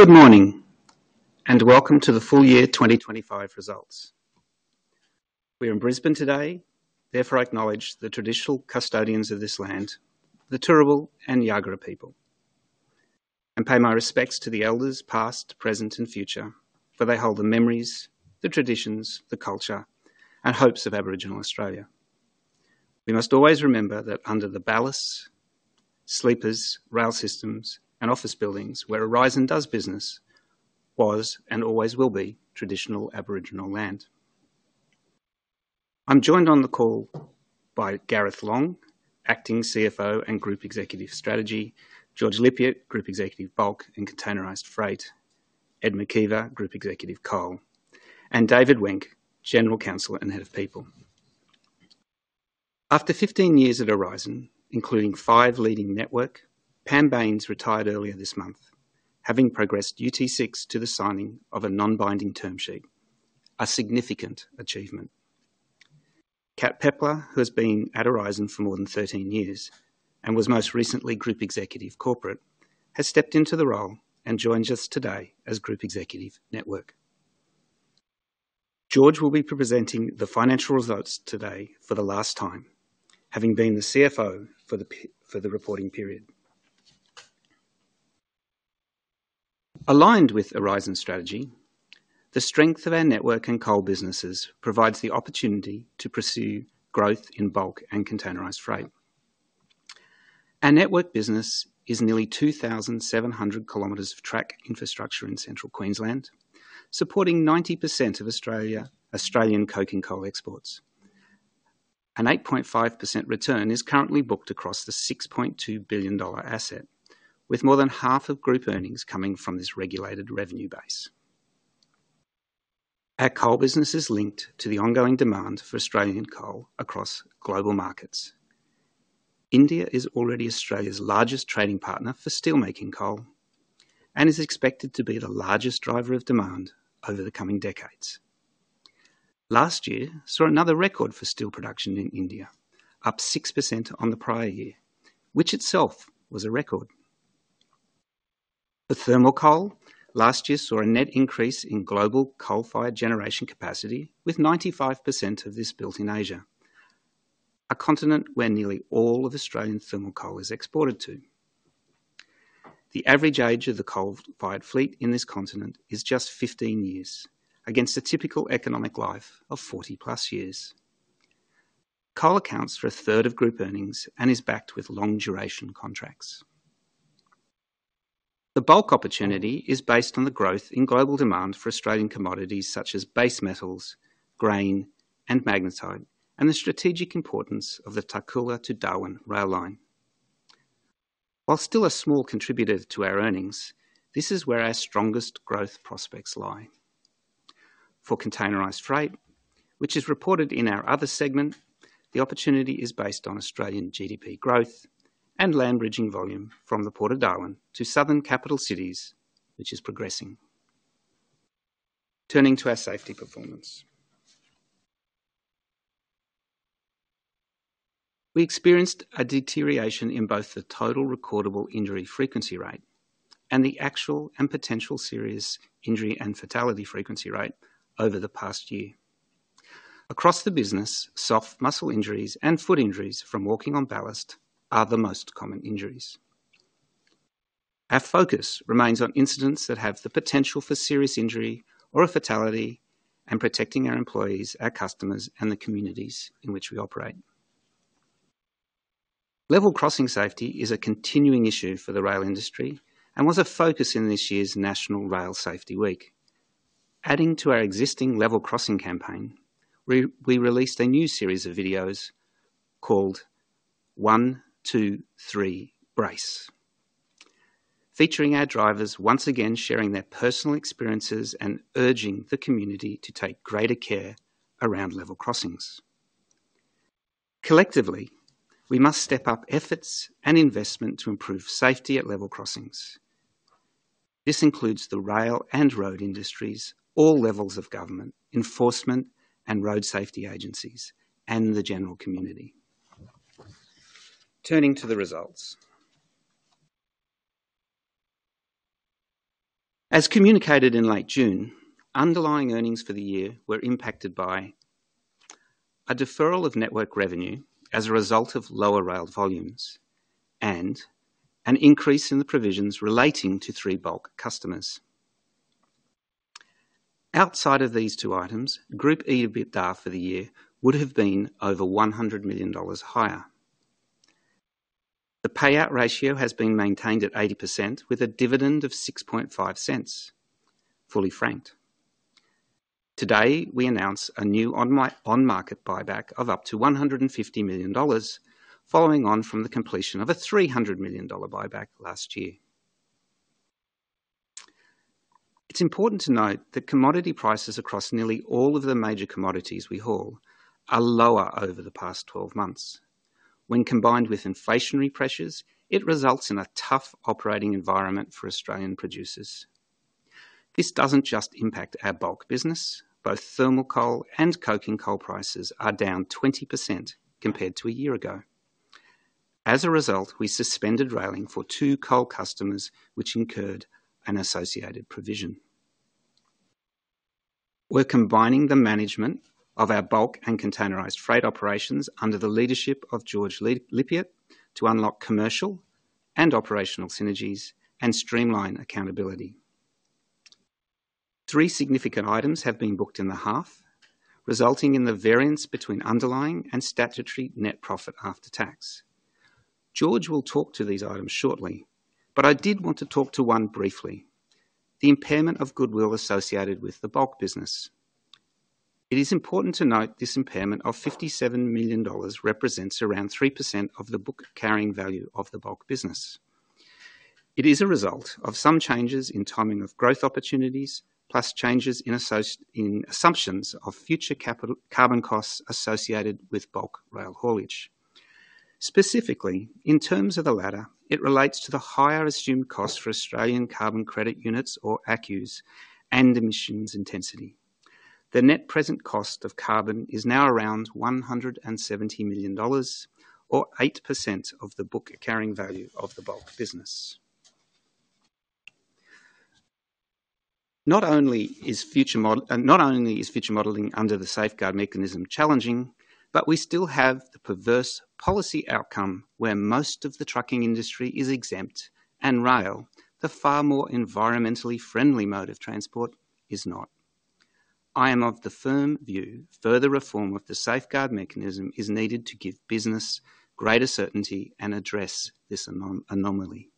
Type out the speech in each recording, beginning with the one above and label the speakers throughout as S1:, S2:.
S1: Good morning and welcome to the full year 2025 results. We're in Brisbane today, therefore I acknowledge the traditional custodians of this land, the Turrbal and Jagera people. I pay my respects to the elders past, present, and future, for they hold the memories, the traditions, the culture, and hopes of Aboriginal Australia. We must always remember that under the ballasts, sleepers, rail systems, and office buildings where Aurizon does business was and always will be traditional Aboriginal land. I'm joined on the call by Gareth Long, Acting CFO and Group Executive Strategy, George Lippiatt, Group Executive Bulk and Containerized Freight, Ed McKeiver, Group Executive Coal, and David Wenck, General Counsel and Head of People. After 15 years at Aurizon, including five leading network, Pam Bains retired earlier this month, having progressed UT6 to the signing of a non-binding term sheet, a significant achievement. Cat Peppler, who has been at Aurizon for more than 13 years and was most recently Group Executive Corporate, has stepped into the role and joins us today as Group Executive Network. George will be presenting the financial results today for the last time, having been the CFO for the reporting period. Aligned with Aurizon's strategy, the strength of our network and coal businesses provides the opportunity to pursue growth in bulk and containerized freight. Our network business is nearly 2,700 kilometers of track infrastructure in Central Queensland, supporting 90% of Australia's coking coal exports. An 8.5% return is currently booked across the $6.2 billion asset, with more than half of group earnings coming from this regulated revenue base. Our coal business is linked to the ongoing demand for Australian coal across global markets. India is already Australia's largest trading partner for steelmaking coal and is expected to be the largest driver of demand over the coming decades. Last year, we saw another record for steel production in India, up 6% on the prior year, which itself was a record. For thermal coal, last year saw a net increase in global coal-fired generation capacity, with 95% of this built in Asia, a continent where nearly all of Australian thermal coal is exported to. The average age of the coal-fired fleet in this continent is just 15 years, against a typical economic life of 40 plus years. Coal accounts for a third of group earnings and is backed with long-duration contracts. The bulk opportunity is based on the growth in global demand for Australian commodities such as base metals, grain, and magnetite, and the strategic importance of the Tarcoola to Darwin rail line. While still a small contributor to our earnings, this is where our strongest growth prospects lie. For containerized freight, which is reported in our other segment, the opportunity is based on Australian GDP growth and land bridging volume from the port of Darwin to southern capital cities, which is progressing. Turning to our safety performance, we experienced a deterioration in both the total recordable injury frequency rate and the actual and potential serious injury and fatality frequency rate over the past year. Across the business, soft muscle injuries and foot injuries from walking on ballast are the most common injuries. Our focus remains on incidents that have the potential for serious injury or a fatality and protecting our employees, our customers, and the communities in which we operate. Level crossing safety is a continuing issue for the rail industry and was a focus in this year's National Rail Safety Week. Adding to our existing level crossing campaign, we released a new series of videos called One, Two, Three Brace, featuring our drivers once again sharing their personal experiences and urging the community to take greater care around level crossings. Collectively, we must step up efforts and investment to improve safety at level crossings. This includes the rail and road industries, all levels of government, enforcement, and road safety agencies, and the general community. Turning to the results, as communicated in late June, underlying earnings for the year were impacted by a deferral of network revenue as a result of lower rail volumes and an increase in the provisions relating to three bulk customers. Outside of these two items, Group EBITDA for the year would have been over $100 million higher. The payout ratio has been maintained at 80% with a dividend of $0.65, fully franked. Today, we announce a new on-market buyback of up to $150 million, following on from the completion of a $300 million buyback last year. It's important to note that commodity prices across nearly all of the major commodities we haul are lower over the past 12 months. When combined with inflationary pressures, it results in a tough operating environment for Australian producers. This doesn't just impact our bulk business; both thermal coal and coking coal prices are down 20% compared to a year ago. As a result, we suspended railing for two coal customers, which incurred an associated provision. We're combining the management of our bulk and containerized freight operations under the leadership of George Lippiatt to unlock commercial and operational synergies and streamline accountability. Three significant items have been booked in the half, resulting in the variance between underlying and statutory net profit after tax. George will talk to these items shortly, but I did want to talk to one briefly: the impairment of goodwill associated with the bulk business. It is important to note this impairment of $57 million represents around 3% of the book carrying value of the bulk business. It is a result of some changes in timing of growth opportunities, plus changes in assumptions of future capital carbon costs associated with bulk rail haulage. Specifically, in terms of the latter, it relates to the higher assumed cost for Australian carbon credit units, or ACUs, and emissions intensity. The net present cost of carbon is now around $170 million, or 8% of the book carrying value of the bulk business. Not only is future modeling under the safeguard mechanism challenging, but we still have the perverse policy outcome where most of the trucking industry is exempt, and rail, the far more environmentally friendly mode of transport, is not. I am of the firm view further reform of the safeguard mechanism is needed to give business greater certainty and address this anomaly.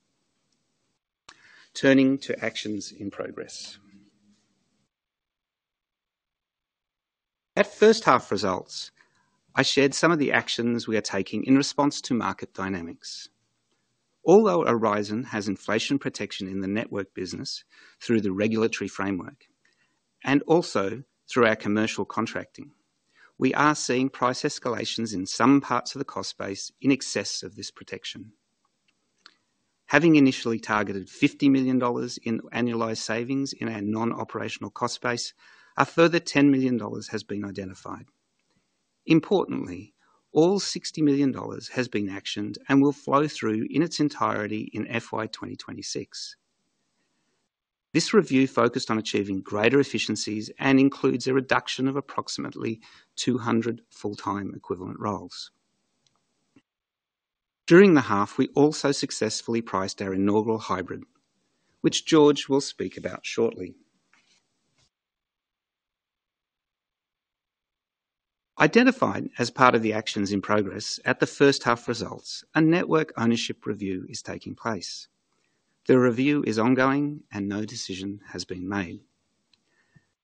S1: Turning to actions in progress, at first half results, I shared some of the actions we are taking in response to market dynamics. Although Aurizon has inflation protection in the network business through the regulatory framework and also through our commercial contracting, we are seeing price escalations in some parts of the cost base in excess of this protection. Having initially targeted $50 million in annualized savings in our non-operational cost base, a further $10 million has been identified. Importantly, all $60 million has been actioned and will flow through in its entirety in FY 2026. This review focused on achieving greater efficiencies and includes a reduction of approximately 200 full-time equivalent roles. During the half, we also successfully priced our inaugural hybrid, which George will speak about shortly. Identified as part of the actions in progress at the first half results, a network ownership review is taking place. The review is ongoing and no decision has been made.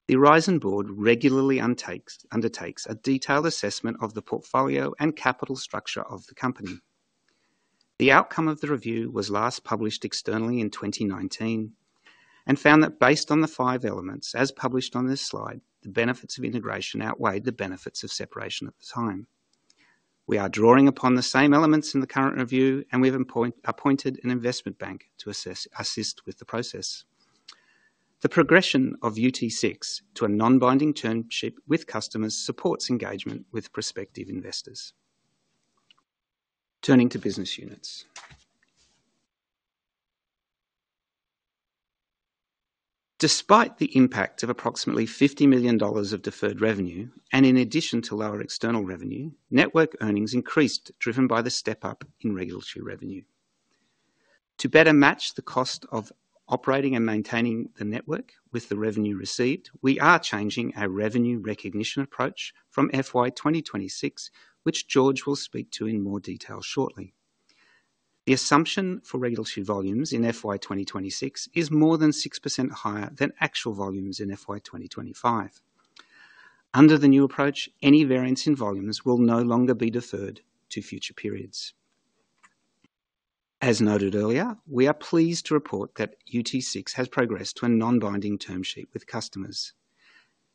S1: The Aurizon board regularly undertakes a detailed assessment of the portfolio and capital structure of the company. The outcome of the review was last published externally in 2019 and found that based on the five elements as published on this slide, the benefits of integration outweighed the benefits of separation at the time. We are drawing upon the same elements in the current review and we have appointed an investment bank to assist with the process. The progression of UT6 to a non-binding term sheet with customers supports engagement with prospective investors. Turning to business units, despite the impact of approximately $50 million of deferred revenue and in addition to lower external revenue, network earnings increased, driven by the step up in regulatory revenue. To better match the cost of operating and maintaining the network with the revenue received, we are changing our revenue recognition approach from FY 2026, which George will speak to in more detail shortly. The assumption for regulatory volumes in FY 2026 is more than 6% higher than actual volumes in FY 2025. Under the new approach, any variance in volumes will no longer be deferred to future periods. As noted earlier, we are pleased to report that UT6 has progressed to a non-binding term sheet with customers.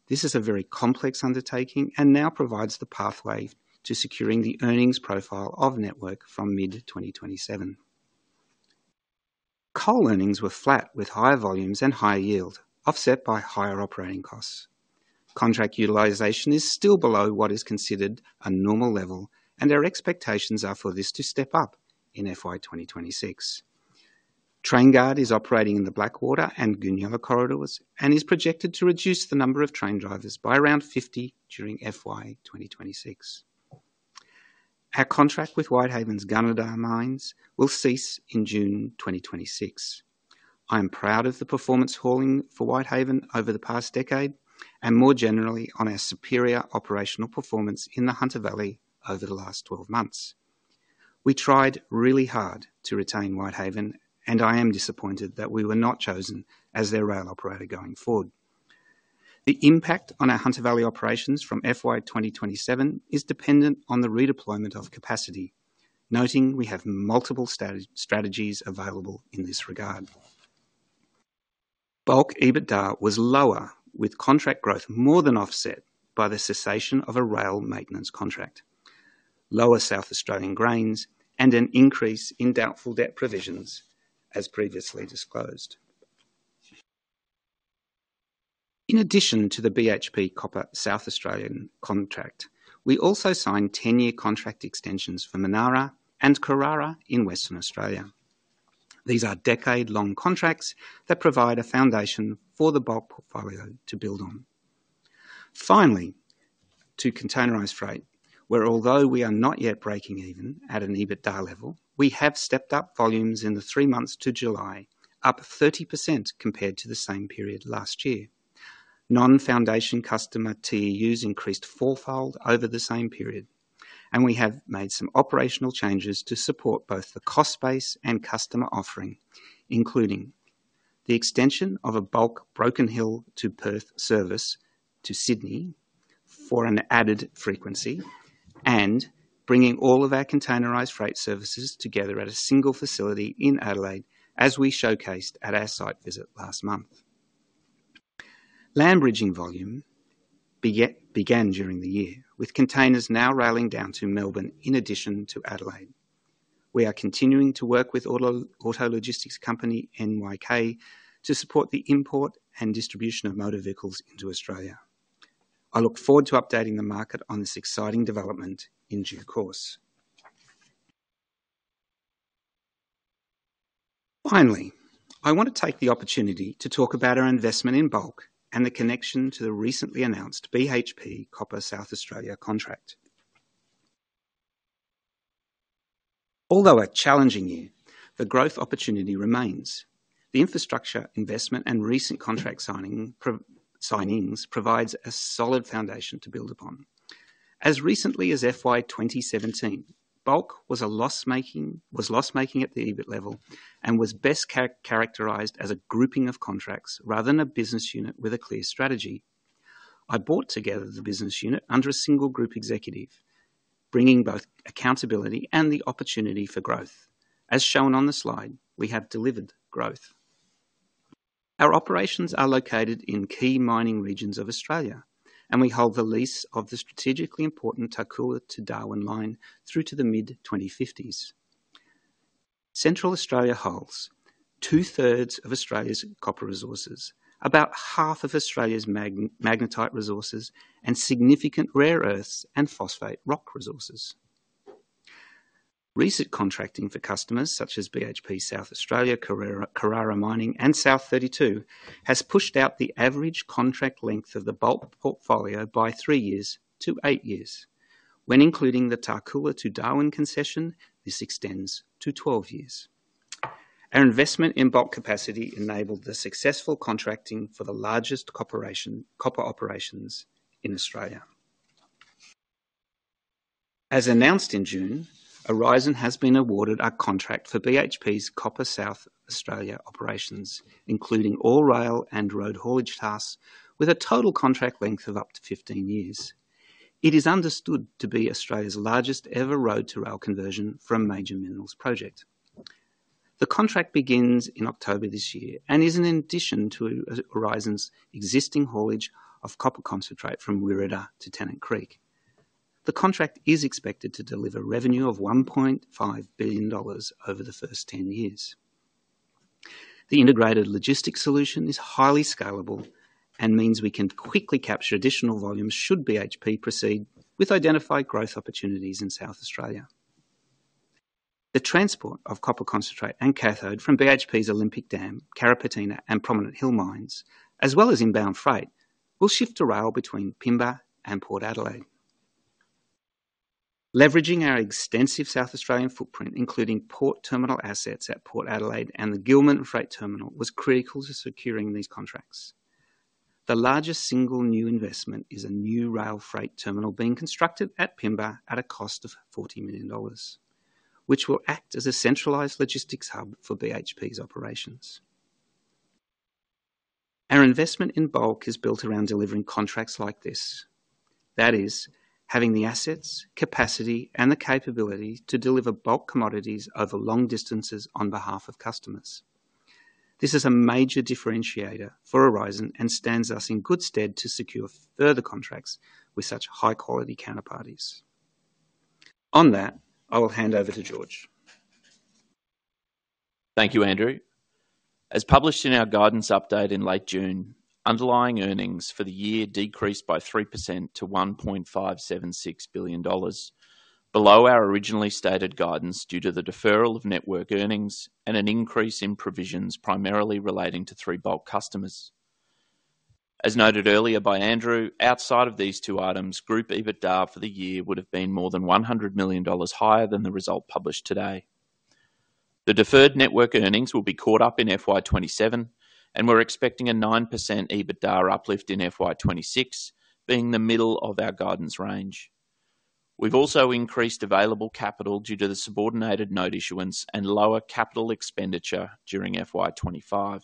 S1: This is a very complex undertaking and now provides the pathway to securing the earnings profile of network from mid-2027. Coal earnings were flat, with higher volumes and higher yield, offset by higher operating costs. Contract utilization is still below what is considered a normal level, and our expectations are for this to step up in FY 2026. TrainGuard is operating in the Blackwater and Goonyella corridors and is projected to reduce the number of train drivers by around 50 during FY 2026. Our contract with Whitehaven's Gunnedah Iron Mines will cease in June 2026. I am proud of the performance hauling for Whitehaven over the past decade and more generally on our superior operational performance in the Hunter Valley over the last 12 months. We tried really hard to retain Whitehaven, and I am disappointed that we were not chosen as their rail operator going forward. The impact on our Hunter Valley operations from FY 2027 is dependent on the redeployment of capacity, noting we have multiple strategies available in this regard. Bulk EBITDA was lower, with contract growth more than offset by the cessation of a rail maintenance contract, lower South Australian grains, and an increase in doubtful debt provisions, as previously disclosed. In addition to the BHP copper South Australia contract, we also signed 10-year contract extensions for Manara and Karara in Western Australia. These are decade-long contracts that provide a foundation for the bulk portfolio to build on. Finally, to containerized freight, where although we are not yet breaking even at an EBITDA level, we have stepped up volumes in the three months to July, up 30% compared to the same period last year. Non-foundation customer TEUs increased fourfold over the same period, and we have made some operational changes to support both the cost base and customer offering, including the extension of a bulk Broken Hill to Perth service to Sydney for an added frequency and bringing all of our containerized freight services together at a single facility in Adelaide, as we showcased at our site visit last month. Land bridging volume began during the year, with containers now railing down to Melbourne in addition to Adelaide. We are continuing to work with auto logistics company NYK to support the import and distribution of motor vehicles into Australia. I look forward to updating the market on this exciting development in due course. Finally, I want to take the opportunity to talk about our investment in bulk and the connection to the recently announced BHP copper South Australia contract. Although a challenging year, the growth opportunity remains. The infrastructure investment and recent contract signings provide a solid foundation to build upon. As recently as FY 2017, bulk was loss-making at the EBIT level and was best characterized as a grouping of contracts rather than a business unit with a clear strategy. I brought together the business unit under a single Group Executive, bringing both accountability and the opportunity for growth. As shown on the slide, we have delivered growth. Our operations are located in key mining regions of Australia, and we hold the lease of the strategically important Tarcoola to Darwin line through to the mid-2050s. Central Australia holds two-thirds of Australia's copper resources, about half of Australia's magnetite resources, and significant rare earths and phosphate rock resources. Recent contracting for customers such as BHP South Australia, Karara Mining, and South 32 has pushed out the average contract length of the bulk portfolio by three years to eight years. When including the Tarcoola to Darwin concession, this extends to 12 years. Our investment in bulk capacity enabled the successful contracting for the largest copper operations in Australia. As announced in June, Aurizon has been awarded a contract for BHP's Copper South Australia operations, including all rail and road haulage tasks, with a total contract length of up to 15 years. It is understood to be Australia's largest ever road-to-rail conversion for a major minerals project. The contract begins in October this year and is in addition to Aurizon's existing haulage of copper concentrate from Wirrada to Tennant Creek. The contract is expected to deliver revenue of $1.5 billion over the first 10 years. The integrated logistics solution is highly scalable and means we can quickly capture additional volumes should BHP proceed with identified growth opportunities in South Australia. The transport of copper concentrate and cathode from BHP's Olympic Dam, Carrapateena, and Prominent Hill mines, as well as inbound freight, will shift to rail between Pimba and Port Adelaide. Leveraging our extensive South Australian footprint, including port terminal assets at Port Adelaide and the Gillman Freight Terminal, was critical to securing these contracts. The largest single new investment is a new rail freight terminal being constructed at Pimba at a cost of $40 million, which will act as a centralized logistics hub for BHP's operations. Our investment in bulk is built around delivering contracts like this. That is, having the assets, capacity, and the capability to deliver bulk commodities over long distances on behalf of customers. This is a major differentiator for Aurizon and stands us in good stead to secure further contracts with such high-quality counterparties. On that, I will hand over to George.
S2: Thank you, Andrew. As published in our guidance update in late June, underlying earnings for the year decreased by 3% to $1.576 billion, below our originally stated guidance due to the deferral of network earnings and an increase in provisions primarily relating to three bulk customers. As noted earlier by Andrew, outside of these two items, group EBITDA for the year would have been more than $100 million higher than the result published today. The deferred network earnings will be caught up in FY 2027, and we're expecting a 9% EBITDA uplift in FY 2026, being the middle of our guidance range. We've also increased available capital due to the subordinated note issuance and lower capital expenditure during FY 2025.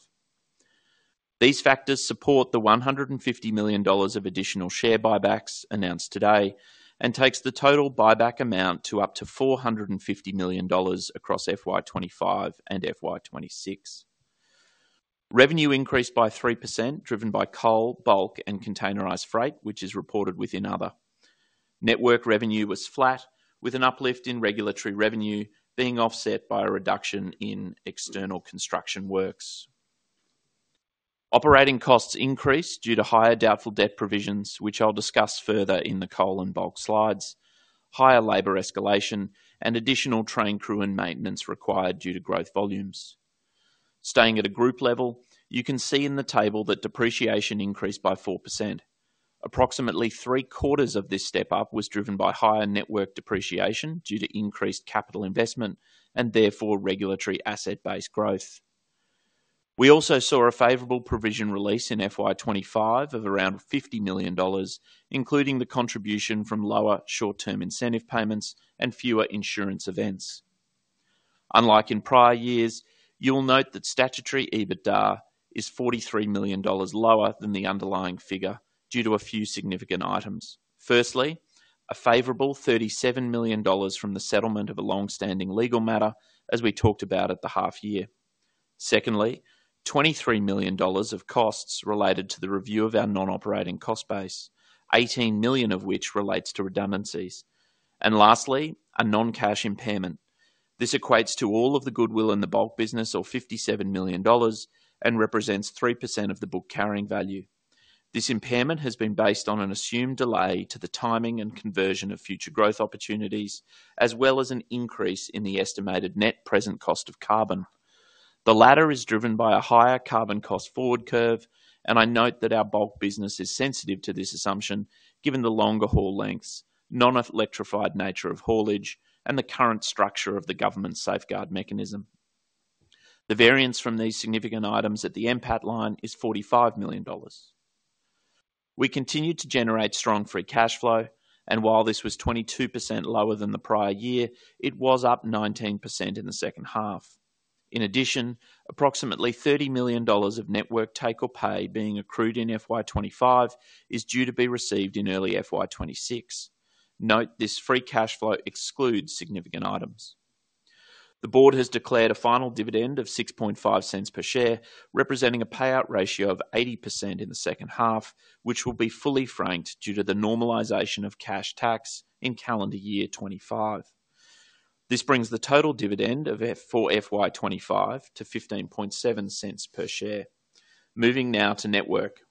S2: These factors support the $150 million of additional share buybacks announced today and take the total buyback amount to up to $450 million across FY 2025 and FY 2026. Revenue increased by 3%, driven by coal, bulk, and containerized freight, which is reported within other. Network revenue was flat, with an uplift in regulatory revenue being offset by a reduction in external construction works. Operating costs increased due to higher doubtful debt provisions, which I'll discuss further in the coal and bulk slides, higher labor escalation, and additional train crew and maintenance required due to growth volumes. Staying at a group level, you can see in the table that depreciation increased by 4%. Approximately three-quarters of this step up was driven by higher network depreciation due to increased capital investment and therefore regulatory asset-based growth. We also saw a favorable provision release in FY 2025 of around $50 million, including the contribution from lower short-term incentive payments and fewer insurance events. Unlike in prior years, you'll note that statutory EBITDA is $43 million lower than the underlying figure due to a few significant items. Firstly, a favorable $37 million from the settlement of a longstanding legal matter, as we talked about at the half year. Secondly, $23 million of costs related to the review of our non-operating cost base, $18 million of which relates to redundancies. Lastly, a non-cash impairment. This equates to all of the goodwill in the bulk business, or $57 million, and represents 3% of the book carrying value. This impairment has been based on an assumed delay to the timing and conversion of future growth opportunities, as well as an increase in the estimated net present cost of carbon. The latter is driven by a higher carbon cost forward curve, and I note that our bulk business is sensitive to this assumption given the longer haul lengths, non-electrified nature of haulage, and the current structure of the government safeguard mechanism. The variance from these significant items at the EBITDA line is $45 million. We continue to generate strong free cash flow, and while this was 22% lower than the prior year, it was up 19% in the second half. In addition, approximately $30 million of network take or pay being accrued in FY 2025 is due to be received in early FY 2026. Note this free cash flow excludes significant items. The board has declared a final dividend of $0.65 per share, representing a payout ratio of 80% in the second half, which will be fully franked due to the normalization of cash tax in calendar year 2025. This brings the total dividend for FY 2025 to $15.7 per share. Moving now to network,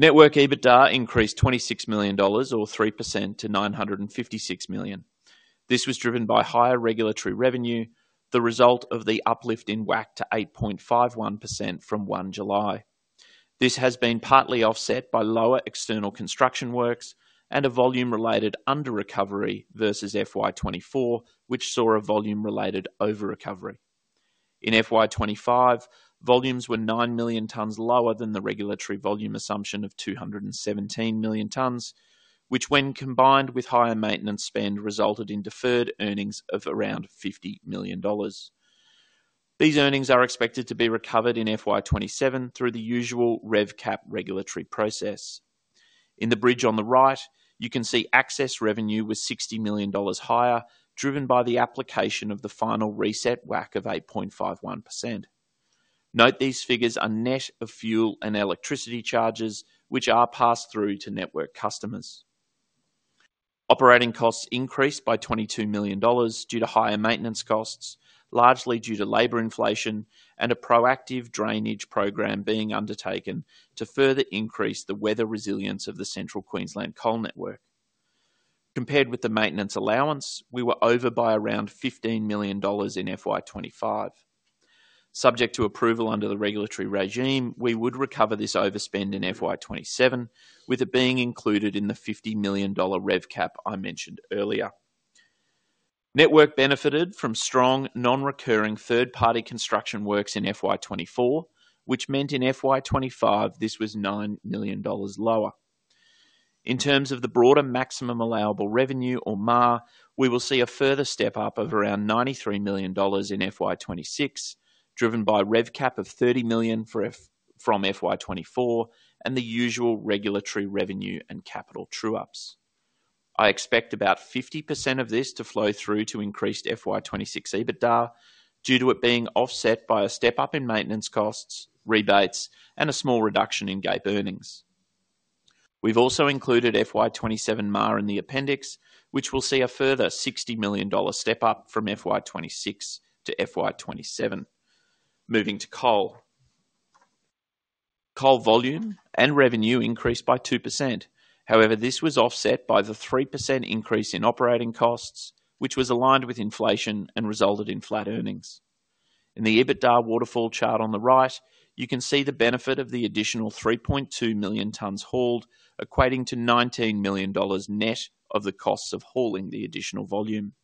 S2: network EBITDA increased $26 million, or 3% to $956 million. This was driven by higher regulatory revenue, the result of the uplift in WACC to 8.51% from 1 July. This has been partly offset by lower external construction works and a volume-related under-recovery versus FY 2024, which saw a volume-related over-recovery. In FY 2025, volumes were 9 million tons lower than the regulatory volume assumption of 217 million tons, which when combined with higher maintenance spend resulted in deferred earnings of around $50 million. These earnings are expected to be recovered in FY 2027 through the usual RevCap regulatory process. In the bridge on the right, you can see excess revenue was $60 million higher, driven by the application of the final reset WACC of 8.51%. Note these figures are net of fuel and electricity charges, which are passed through to network customers. Operating costs increased by $22 million due to higher maintenance costs, largely due to labor inflation and a proactive drainage program being undertaken to further increase the weather resilience of the Central Queensland Coal Network. Compared with the maintenance allowance, we were over by around $15 million in FY 2025. Subject to approval under the regulatory regime, we would recover this overspend in FY 2027, with it being included in the $50 million RevCap I mentioned earlier. Network benefited from strong non-recurring third-party construction works in FY 2024, which meant in FY 2025 this was $9 million lower. In terms of the broader maximum allowable revenue, or MAR, we will see a further step up of around $93 million in FY 2026, driven by RevCap of $30 million from FY 2024 and the usual regulatory revenue and capital true-ups. I expect about 50% of this to flow through to increased FY 2026 EBITDA due to it being offset by a step up in maintenance costs, rebates, and a small reduction in GAEP earnings. We've also included FY 2027 MAR in the appendix, which will see a further $60 million step up from FY 2026 to FY 2027. Moving to coal, coal volume and revenue increased by 2%. However, this was offset by the 3% increase in operating costs, which was aligned with inflation and resulted in flat earnings. In the EBITDA waterfall chart on the right, you can see the benefit of the additional 3.2 million tons hauled, equating to $19 million net of the costs of hauling the additional volume.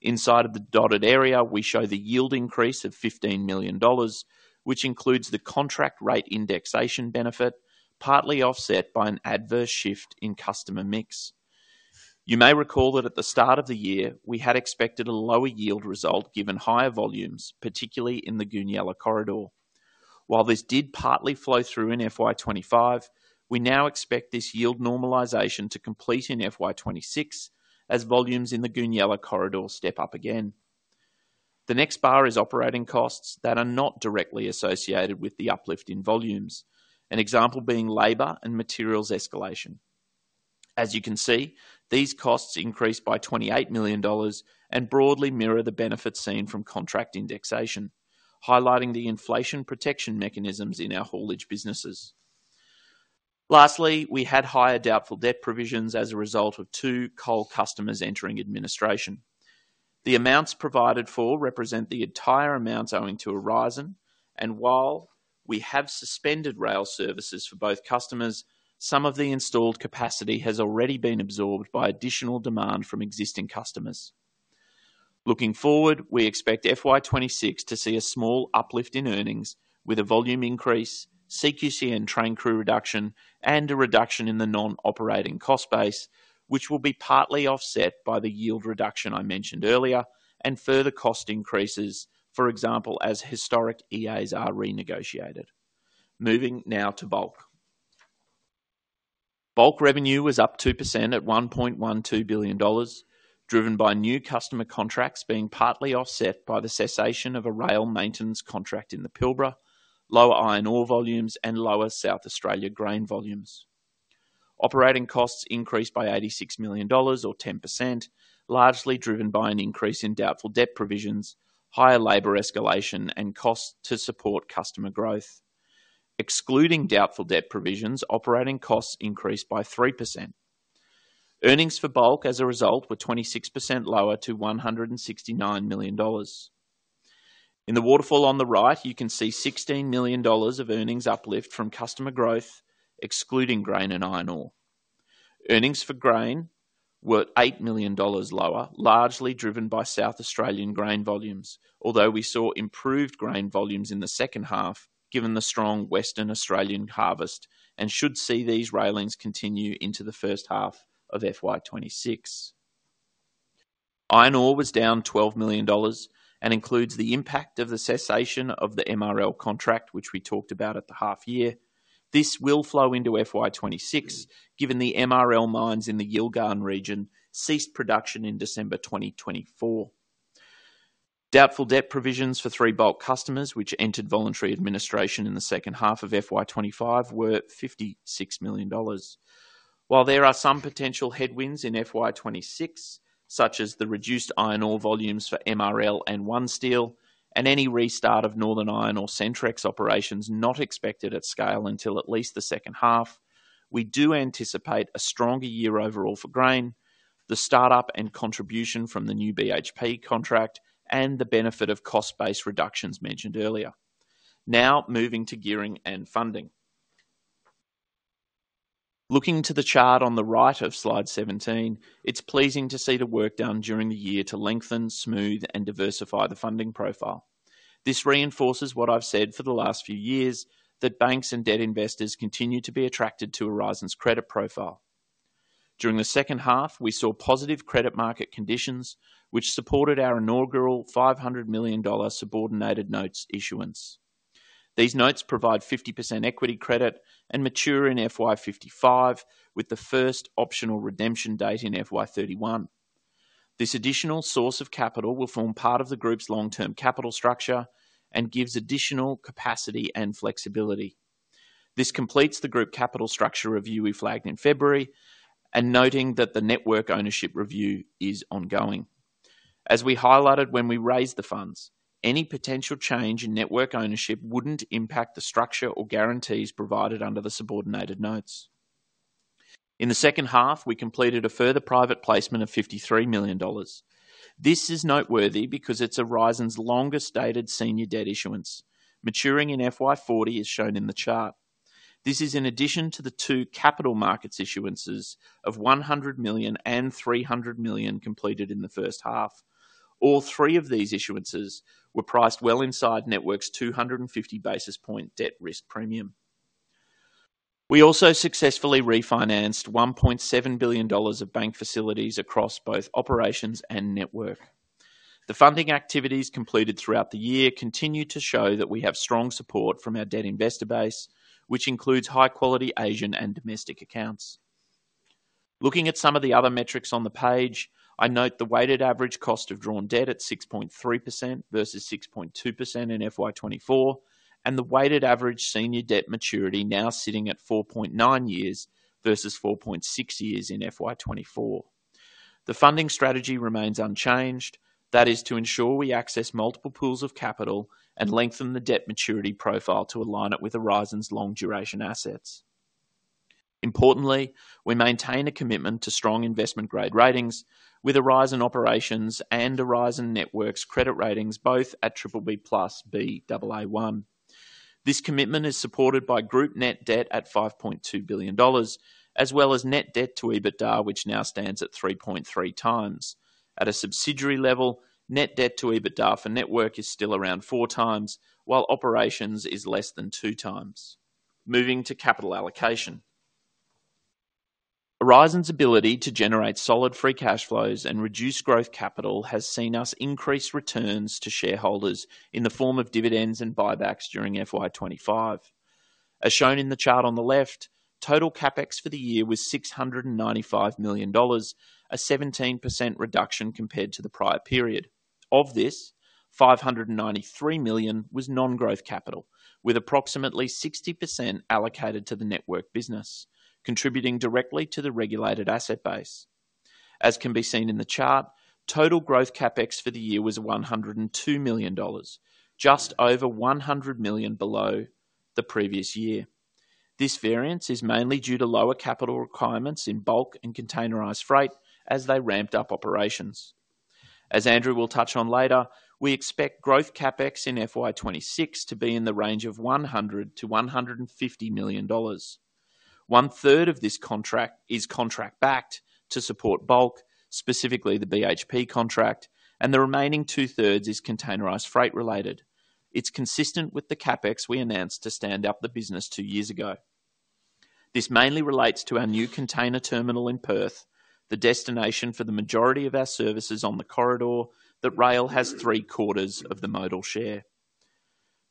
S2: Inside of the dotted area, we show the yield increase of $15 million, which includes the contract rate indexation benefit, partly offset by an adverse shift in customer mix. You may recall that at the start of the year, we had expected a lower yield result given higher volumes, particularly in the Goonyella corridor. While this did partly flow through in FY 2025, we now expect this yield normalization to complete in FY 2026 as volumes in the Goonyella corridor step up again. The next bar is operating costs that are not directly associated with the uplift in volumes, an example being labor and materials escalation. As you can see, these costs increased by $28 million and broadly mirror the benefits seen from contract indexation, highlighting the inflation protection mechanisms in our haulage businesses. Lastly, we had higher doubtful debt provisions as a result of two coal customers entering administration. The amounts provided for represent the entire amount owing to Aurizon, and while we have suspended rail services for both customers, some of the installed capacity has already been absorbed by additional demand from existing customers. Looking forward, we expect FY 2026 to see a small uplift in earnings with a volume increase, CQCN train crew reduction, and a reduction in the non-operating cost base, which will be partly offset by the yield reduction I mentioned earlier and further cost increases, for example, as historic EAs are renegotiated. Moving now to bulk, bulk revenue was up 2% at $1.12 billion, driven by new customer contracts being partly offset by the cessation of a rail maintenance contract in the Pilbara, lower iron ore volumes, and lower South Australia grain volumes. Operating costs increased by $86 million, or 10%, largely driven by an increase in doubtful debt provisions, higher labor escalation, and costs to support customer growth. Excluding doubtful debt provisions, operating costs increased by 3%. Earnings for bulk as a result were 26% lower to $169 million. In the waterfall on the right, you can see $16 million of earnings uplift from customer growth, excluding grain and iron ore. Earnings for grain were $8 million lower, largely driven by South Australian grain volumes, although we saw improved grain volumes in the second half given the strong Western Australian harvest and should see these railings continue into the first half of FY 2026. Iron ore was down $12 million and includes the impact of the cessation of the MRL contract, which we talked about at the half year. This will flow into FY 2026 given the MRL mines in the Yilgarn region ceased production in December 2024. Doubtful debt provisions for three bulk customers, which entered voluntary administration in the second half of FY 2025, were $56 million. While there are some potential headwinds in FY 2026, such as the reduced iron ore volumes for MRL and OneSteel, and any restart of Northern Iron ore Centrex operations not expected at scale until at least the second half, we do anticipate a stronger year overall for grain, the startup and contribution from the new BHP contract, and the benefit of cost-based reductions mentioned earlier. Now moving to gearing and funding. Looking to the chart on the right of slide 17, it's pleasing to see the work done during the year to lengthen, smooth, and diversify the funding profile. This reinforces what I've said for the last few years, that banks and debt investors continue to be attracted to Aurizon's credit profile. During the second half, we saw positive credit market conditions, which supported our inaugural $500 million subordinated notes issuance. These notes provide 50% equity credit and mature in FY 2055, with the first optional redemption date in FY 2031. This additional source of capital will form part of the group's long-term capital structure and gives additional capacity and flexibility. This completes the group capital structure review we flagged in February, noting that the network ownership review is ongoing. As we highlighted when we raised the funds, any potential change in network ownership wouldn't impact the structure or guarantees provided under the subordinated notes. In the second half, we completed a further private placement of $53 million. This is noteworthy because it's Aurizon's longest dated senior debt issuance, maturing in FY 2040 as shown in the chart. This is in addition to the two capital markets issuances of $100 million and $300 million completed in the first half. All three of these issuances were priced well inside network's 250 basis point debt risk premium. We also successfully refinanced $1.7 billion of bank facilities across both operations and network. The funding activities completed throughout the year continue to show that we have strong support from our debt investor base, which includes high-quality Asian and domestic accounts. Looking at some of the other metrics on the page, I note the weighted average cost of drawn debt at 6.3% versus 6.2% in FY 2024, and the weighted average senior debt maturity now sitting at 4.9 years versus 4.6 years in FY 2024. The funding strategy remains unchanged, that is to ensure we access multiple pools of capital and lengthen the debt maturity profile to align it with Aurizon's long-duration assets. Importantly, we maintain a commitment to strong investment-grade ratings with Aurizon Operations and Aurizon Network credit ratings, both at BBB+ and Baa1. This commitment is supported by group net debt at $5.2 billion, as well as net debt to EBITDA, which now stands at 3.3 times. At a subsidiary level, net debt to EBITDA for Network is still around four times, while Operations is less than two times. Moving to capital allocation, Aurizon's ability to generate solid free cash flows and reduce growth capital has seen us increase returns to shareholders in the form of dividends and buybacks during FY 2025. As shown in the chart on the left, total CapEx for the year was $695 million, a 17% reduction compared to the prior period. Of this, $593 million was non-growth capital, with approximately 60% allocated to the network business, contributing directly to the regulated asset base. As can be seen in the chart, total growth CapEx for the year was $102 million, just over $100 million below the previous year. This variance is mainly due to lower capital requirements in bulk and containerized freight as they ramped up operations. As Andrew will touch on later, we expect growth CapEx in FY 2026 to be in the range of $100 million-$150 million. One-third of this contract is contract-backed to support bulk, specifically the BHP contract, and the remaining two-thirds is containerized freight related. It's consistent with the CapEx we announced to stand up the business two years ago. This mainly relates to our new container terminal in Perth, the destination for the majority of our services on the corridor that rail has three-quarters of the modal share.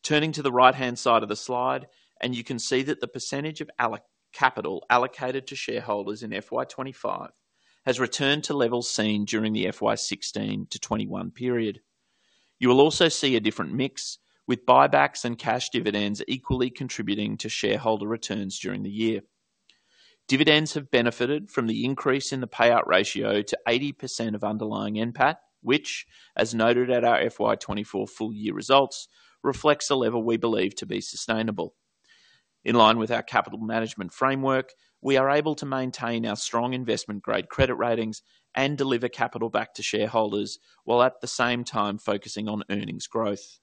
S2: Turning to the right-hand side of the slide, you can see that the percentage of capital allocated to shareholders in FY 2025 has returned to levels seen during the FY 2016 to FY 2021 period. You will also see a different mix, with buybacks and cash dividends equally contributing to shareholder returns during the year. Dividends have benefited from the increase in the payout ratio to 80% of underlying EMPAT, which, as noted at our FY 2024 full-year results, reflects a level we believe to be sustainable. In line with our capital management framework, we are able to maintain our strong investment-grade credit ratings and deliver capital back to shareholders while at the same time focusing on earnings growth.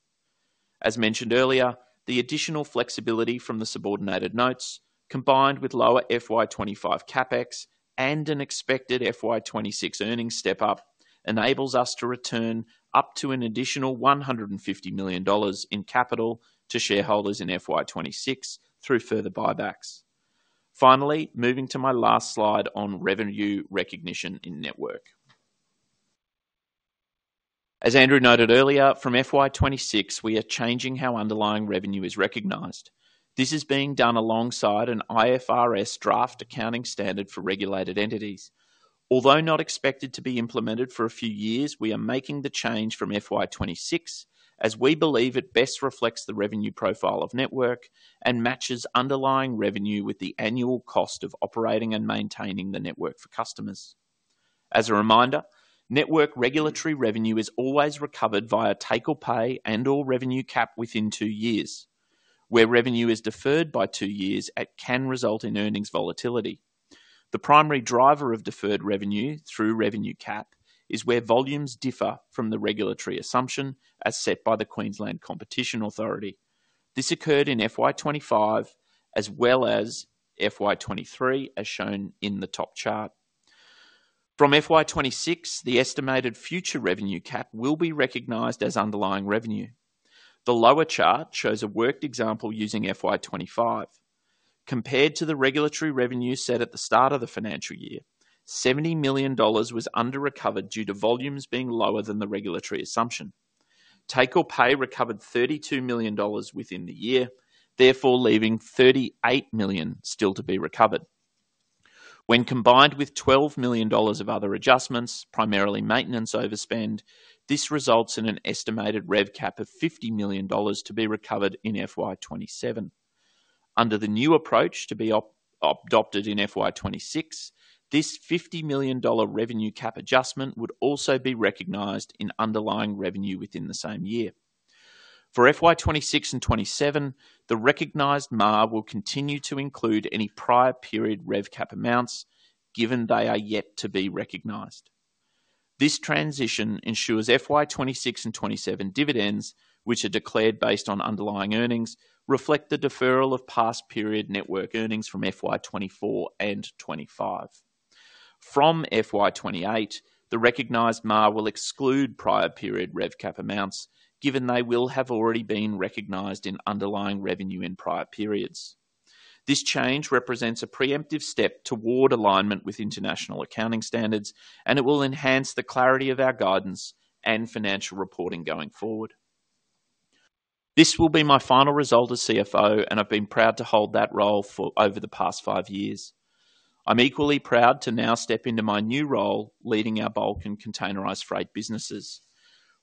S2: As mentioned earlier, the additional flexibility from the subordinated notes, combined with lower FY 2025 CapEx and an expected FY 2026 earnings step up, enables us to return up to an additional $150 million in capital to shareholders in FY 2026 through further buybacks. Finally, moving to my last slide on revenue recognition in network. As Andrew noted earlier, from FY 2026, we are changing how underlying revenue is recognized. This is being done alongside an IFRS draft accounting standard for regulated entities. Although not expected to be implemented for a few years, we are making the change from FY 2026 as we believe it best reflects the revenue profile of network and matches underlying revenue with the annual cost of operating and maintaining the network for customers. As a reminder, network regulatory revenue is always recovered via take or pay and/or revenue cap within two years. Where revenue is deferred by two years, it can result in earnings volatility. The primary driver of deferred revenue through revenue cap is where volumes differ from the regulatory assumption as set by the Queensland Competition Authority. This occurred in FY 2025 as well as FY 2023, as shown in the top chart. From FY 2026, the estimated future revenue cap will be recognized as underlying revenue. The lower chart shows a worked example using FY 2025. Compared to the regulatory revenue set at the start of the financial year, $70 million was under-recovered due to volumes being lower than the regulatory assumption. Take or pay recovered $32 million within the year, therefore leaving $38 million still to be recovered. When combined with $12 million of other adjustments, primarily maintenance overspend, this results in an estimated RevCap of $50 million to be recovered in FY 2027. Under the new approach to be adopted in FY 2026, this $50 million revenue cap adjustment would also be recognized in underlying revenue within the same year. For FY 2026 and 2027, the recognized MAR will continue to include any prior period RevCap amounts, given they are yet to be recognized. This transition ensures FY 2026 and 2027 dividends, which are declared based on underlying earnings, reflect the deferral of past period network earnings from FY 2024 and 2025. From FY 2028, the recognized MAR will exclude prior period RevCap amounts, given they will have already been recognized in underlying revenue in prior periods. This change represents a preemptive step toward alignment with international accounting standards, and it will enhance the clarity of our guidance and financial reporting going forward. This will be my final result as CFO, and I've been proud to hold that role for over the past five years. I'm equally proud to now step into my new role leading our bulk and containerized freight businesses.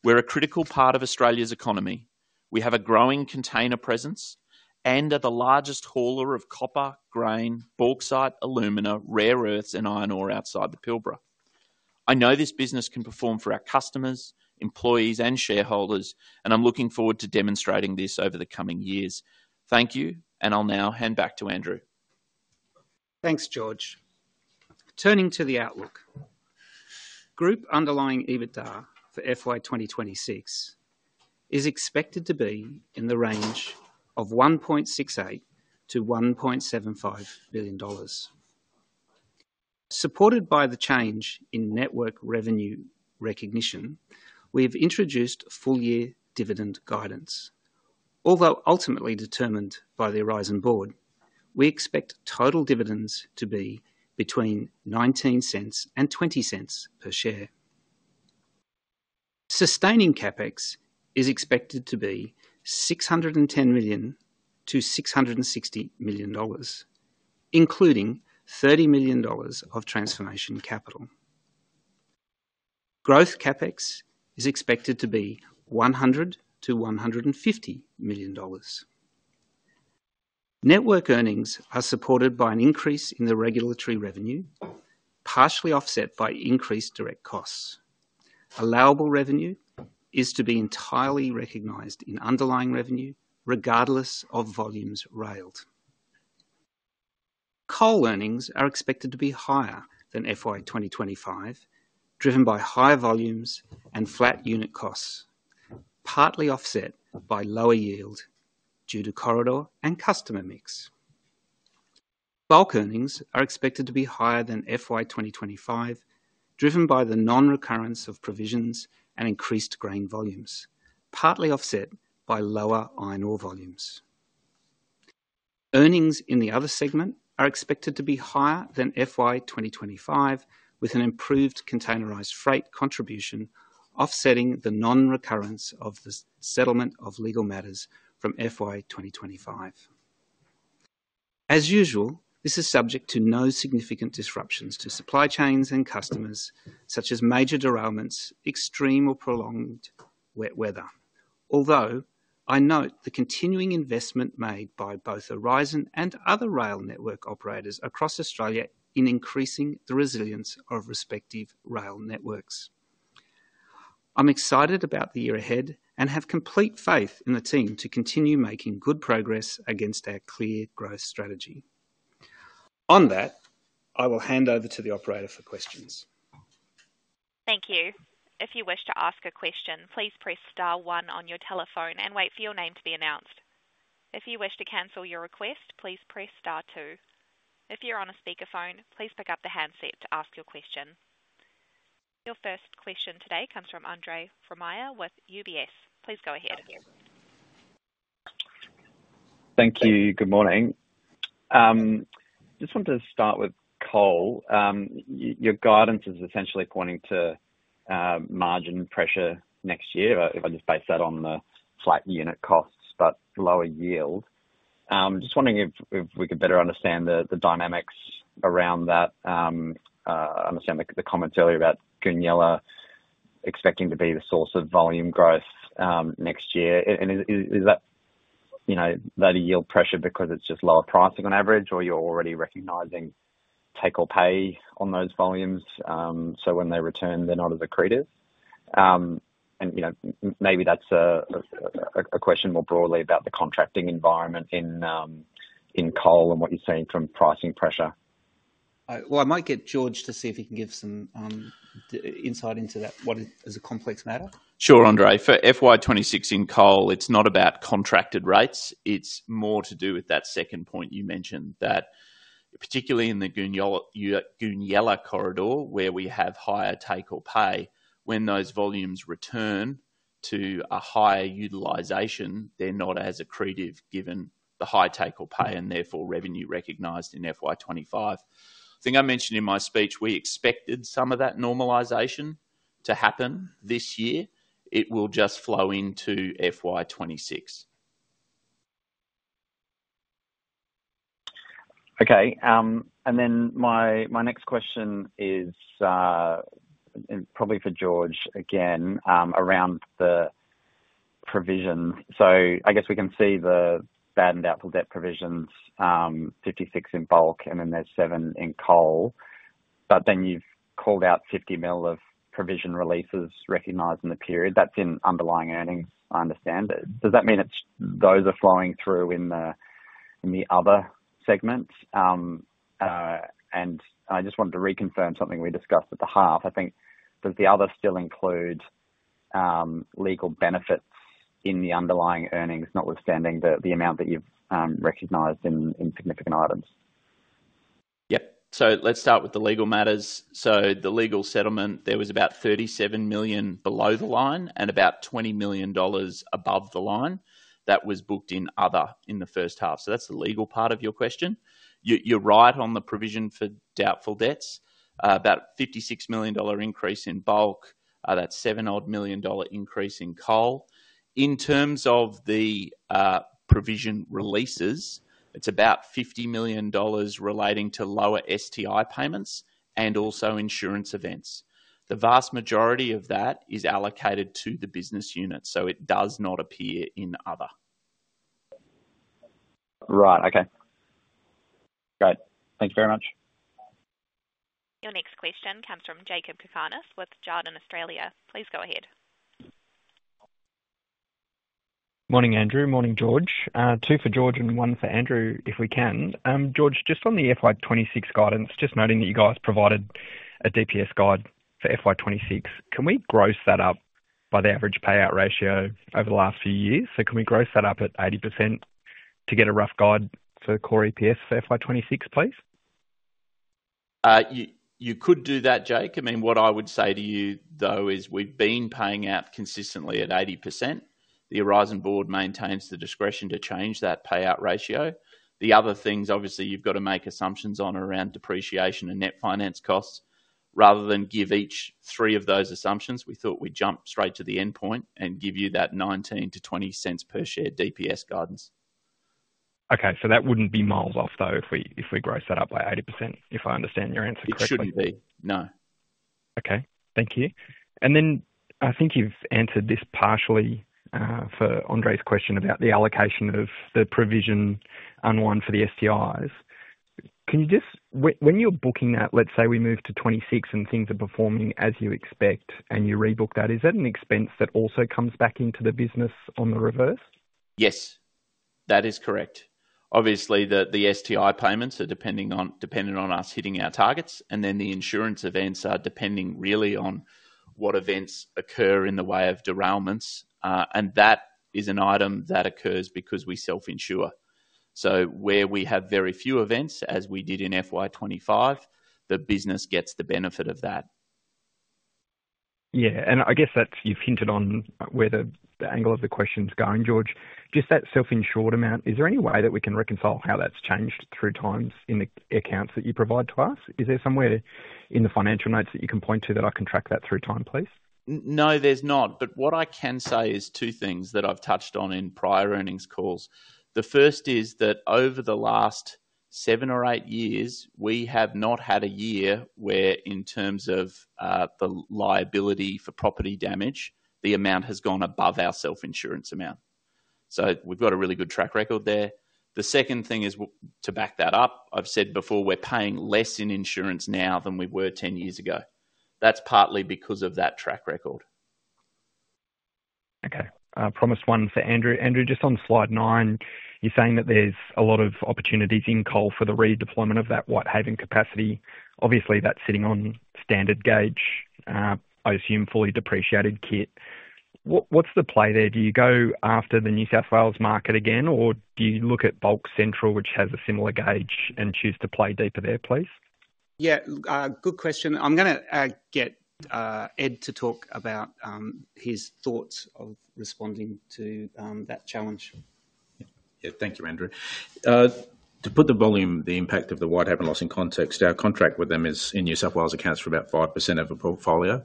S2: We're a critical part of Australia's economy. We have a growing container presence and are the largest hauler of copper, grain, bulk site, alumina, rare earths, and iron ore outside the Pilbara. I know this business can perform for our customers, employees, and shareholders, and I'm looking forward to demonstrating this over the coming years. Thank you, and I'll now hand back to Andrew. Thanks, George. Turning to the outlook, group underlying EBITDA for FY 2026 is expected to be in the range of $1.68 billion-$1.75 billion. Supported by the change in network revenue recognition, we have introduced full-year dividend guidance. Although ultimately determined by the Aurizon board, we expect total dividends to be between $0.19 and $0.20 per share. Sustaining CapEx is expected to be $610 million-$660 million, including $30 million of transformation capital. Growth CapEx is expected to be $100 million-$150 million. Network earnings are supported by an increase in the regulatory revenue, partially offset by increased direct costs. Allowable revenue is to be entirely recognized in underlying revenue, regardless of volumes railed. Coal earnings are expected to be higher than FY 2025, driven by higher volumes and flat unit costs, partly offset by lower yield due to corridor and customer mix. Bulk earnings are expected to be higher than FY 2025, driven by the non-recurrence of provisions and increased grain volumes, partly offset by lower iron ore volumes. Earnings in the other segment are expected to be higher than FY 2025, with an improved containerized freight contribution offsetting the non-recurrence of the settlement of legal matters from FY 2025. As usual, this is subject to no significant disruptions to supply chains and customers, such as major derailments, extreme, or prolonged wet weather. Although I note the continuing investment made by both Aurizon and other rail network operators across Australia in increasing the resilience of respective rail networks. I'm excited about the year ahead and have complete faith in the team to continue making good progress against our clear growth strategy. On that, I will hand over to the operator for questions.
S3: Thank you. If you wish to ask a question, please press star one on your telephone and wait for your name to be announced. If you wish to cancel your request, please press star two. If you're on a speakerphone, please pick up the handset to ask your question. Your first question today comes from Andre Fromhyr with UBS. Please go ahead.
S4: Thank you. Good morning. I just wanted to start with coal. Your guidance is essentially pointing to margin pressure next year, if I just base that on the flat unit costs, but lower yield. I am just wondering if we could better understand the dynamics around that. I understand the comments earlier about Goonyella expecting to be the source of volume growth next year. Is that a yield pressure because it's just lower pricing on average, or you're already recognizing take or pay on those volumes? When they return, they're not as accretive. Maybe that's a question more broadly about the contracting environment in coal and what you're seeing from pricing pressure.
S1: I might get George to see if he can give some insight into that. What is a complex matter?
S2: Sure, Andre. For FY 2026 in coal, it's not about contracted rates. It's more to do with that second point you mentioned, that particularly in the Goonyella corridor, where we have higher take or pay. When those volumes return to a higher utilization, they're not as accretive given the high take or pay and therefore revenue recognized in FY 2025. I think I mentioned in my speech we expected some of that normalization to happen this year. It will just flow into FY 2026.
S4: Okay. My next question is probably for George again, around the provision. I guess we can see the bad and doubtful debt provisions, $56 million in Bulk, and then there's $7 million in Coal. You've called out $50 million of provision releases recognized in the period. That's in underlying earnings, I understand. Does that mean those are flowing through in the other segments? I just wanted to reconfirm something we discussed at the half. I think does the Other still include legal benefits in the underlying earnings, notwithstanding the amount that you've recognized in significant items?
S2: Yep. Let's start with the legal matters. The legal settlement was about $37 million below the line and about $20 million above the line that was booked in other in the first half. That's the legal part of your question. You're right on the provision for doubtful debts, about a $56 million increase in bulk. That's a $7 million increase in coal. In terms of the provision releases, it's about $50 million relating to lower STI payments and also insurance events. The vast majority of that is allocated to the business units, so it does not appear in other.
S4: Right. Okay. Great. Thank you very much.
S3: Your next question comes from Jacob Cakarnis with Jarden Australia. Please go ahead.
S5: Morning, Andrew. Morning, George. Two for George and one for Andrew, if we can. George, just on the FY 2026 guidance, just noting that you guys provided a DPS guide for FY 2026. Can we gross that up by the average payout ratio over the last few years? Can we gross that up at 80% to get a rough guide for core EPS for FY 2026, please?
S2: You could do that, Jake. I mean, what I would say to you, though, is we've been paying out consistently at 80%. The Aurizon board maintains the discretion to change that payout ratio. The other things, obviously, you've got to make assumptions on around depreciation and net finance costs. Rather than give each three of those assumptions, we thought we'd jump straight to the end point and give you that $0.19-$0.20 per share DPS guidance.
S5: Okay. That wouldn't be miles off, though, if we gross that up by 80%, if I understand your answer correctly.
S2: It shouldn't be, no.
S5: Okay. Thank you. I think you've answered this partially, for Andrew's question about the allocation of the provision unwind for the STIs. Can you just, when you're booking that, let's say we move to 2026 and things are performing as you expect and you rebook that, is that an expense that also comes back into the business on the reverse?
S2: Yes, that is correct. Obviously, the STI payments are dependent on us hitting our targets, and the insurance events are depending really on what events occur in the way of derailments. That is an item that occurs because we self-insure. Where we have very few events, as we did in FY 2025, the business gets the benefit of that.
S5: Yeah, I guess that you've hinted on where the angle of the question's going, George. Just that self-insured amount, is there any way that we can reconcile how that's changed through time in the accounts that you provide to us? Is there somewhere in the financial notes that you can point to that I can track that through time, please?
S2: No, there's not, but what I can say is two things that I've touched on in prior earnings calls. The first is that over the last seven or eight years, we have not had a year where, in terms of the liability for property damage, the amount has gone above our self-insurance amount. We've got a really good track record there. The second thing is to back that up, I've said before we're paying less in insurance now than we were 10 years ago. That's partly because of that track record.
S5: Okay. I promise one for Andrew. Andrew, just on slide nine, you're saying that there's a lot of opportunities in coal for the redeployment of that Whitehaven capacity. Obviously, that's sitting on standard gauge, I assume fully depreciated kit. What's the play there? Do you go after the New South Wales market again, or do you look at Bulk Central, which has a similar gauge, and choose to play deeper there, please?
S1: Yeah, good question. I'm going to get Ed to talk about his thoughts of responding to that challenge.
S6: Yeah, thank you, Andrew. To put the volume, the impact of the Whitehaven loss in context, our contract with them in New South Wales accounts for about 5% of the portfolio.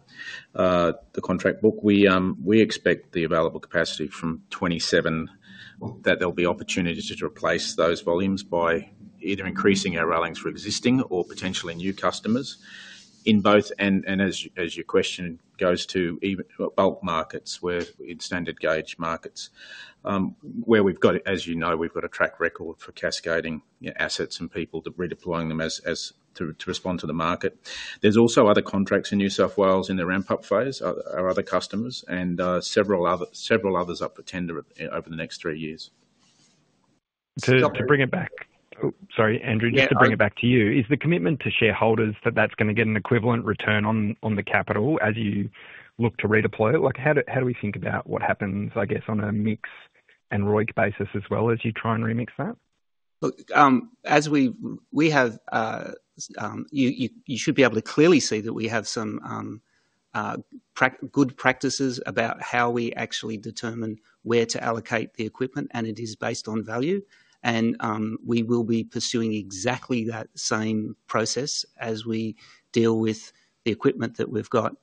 S6: The contract book, we expect the available capacity from 2027, that there'll be opportunities to replace those volumes by either increasing our rollings for existing or potentially new customers in both. As your question goes to even bulk markets where in standard gauge markets, where we've got, as you know, we've got a track record for cascading assets and people, redeploying them to respond to the market. There's also other contracts in New South Wales in the ramp-up phase, our other customers, and several others up for tender over the next three years.
S5: To bring it back, Andrew, just to bring it back to you, is the commitment to shareholders that that's going to get an equivalent return on the capital as you look to redeploy it? How do we think about what happens, I guess, on a mix and ROIC basis as well as you try and remix that?
S1: As we have, you should be able to clearly see that we have some good practices about how we actually determine where to allocate the equipment, and it is based on value. We will be pursuing exactly that same process as we deal with the equipment that we've got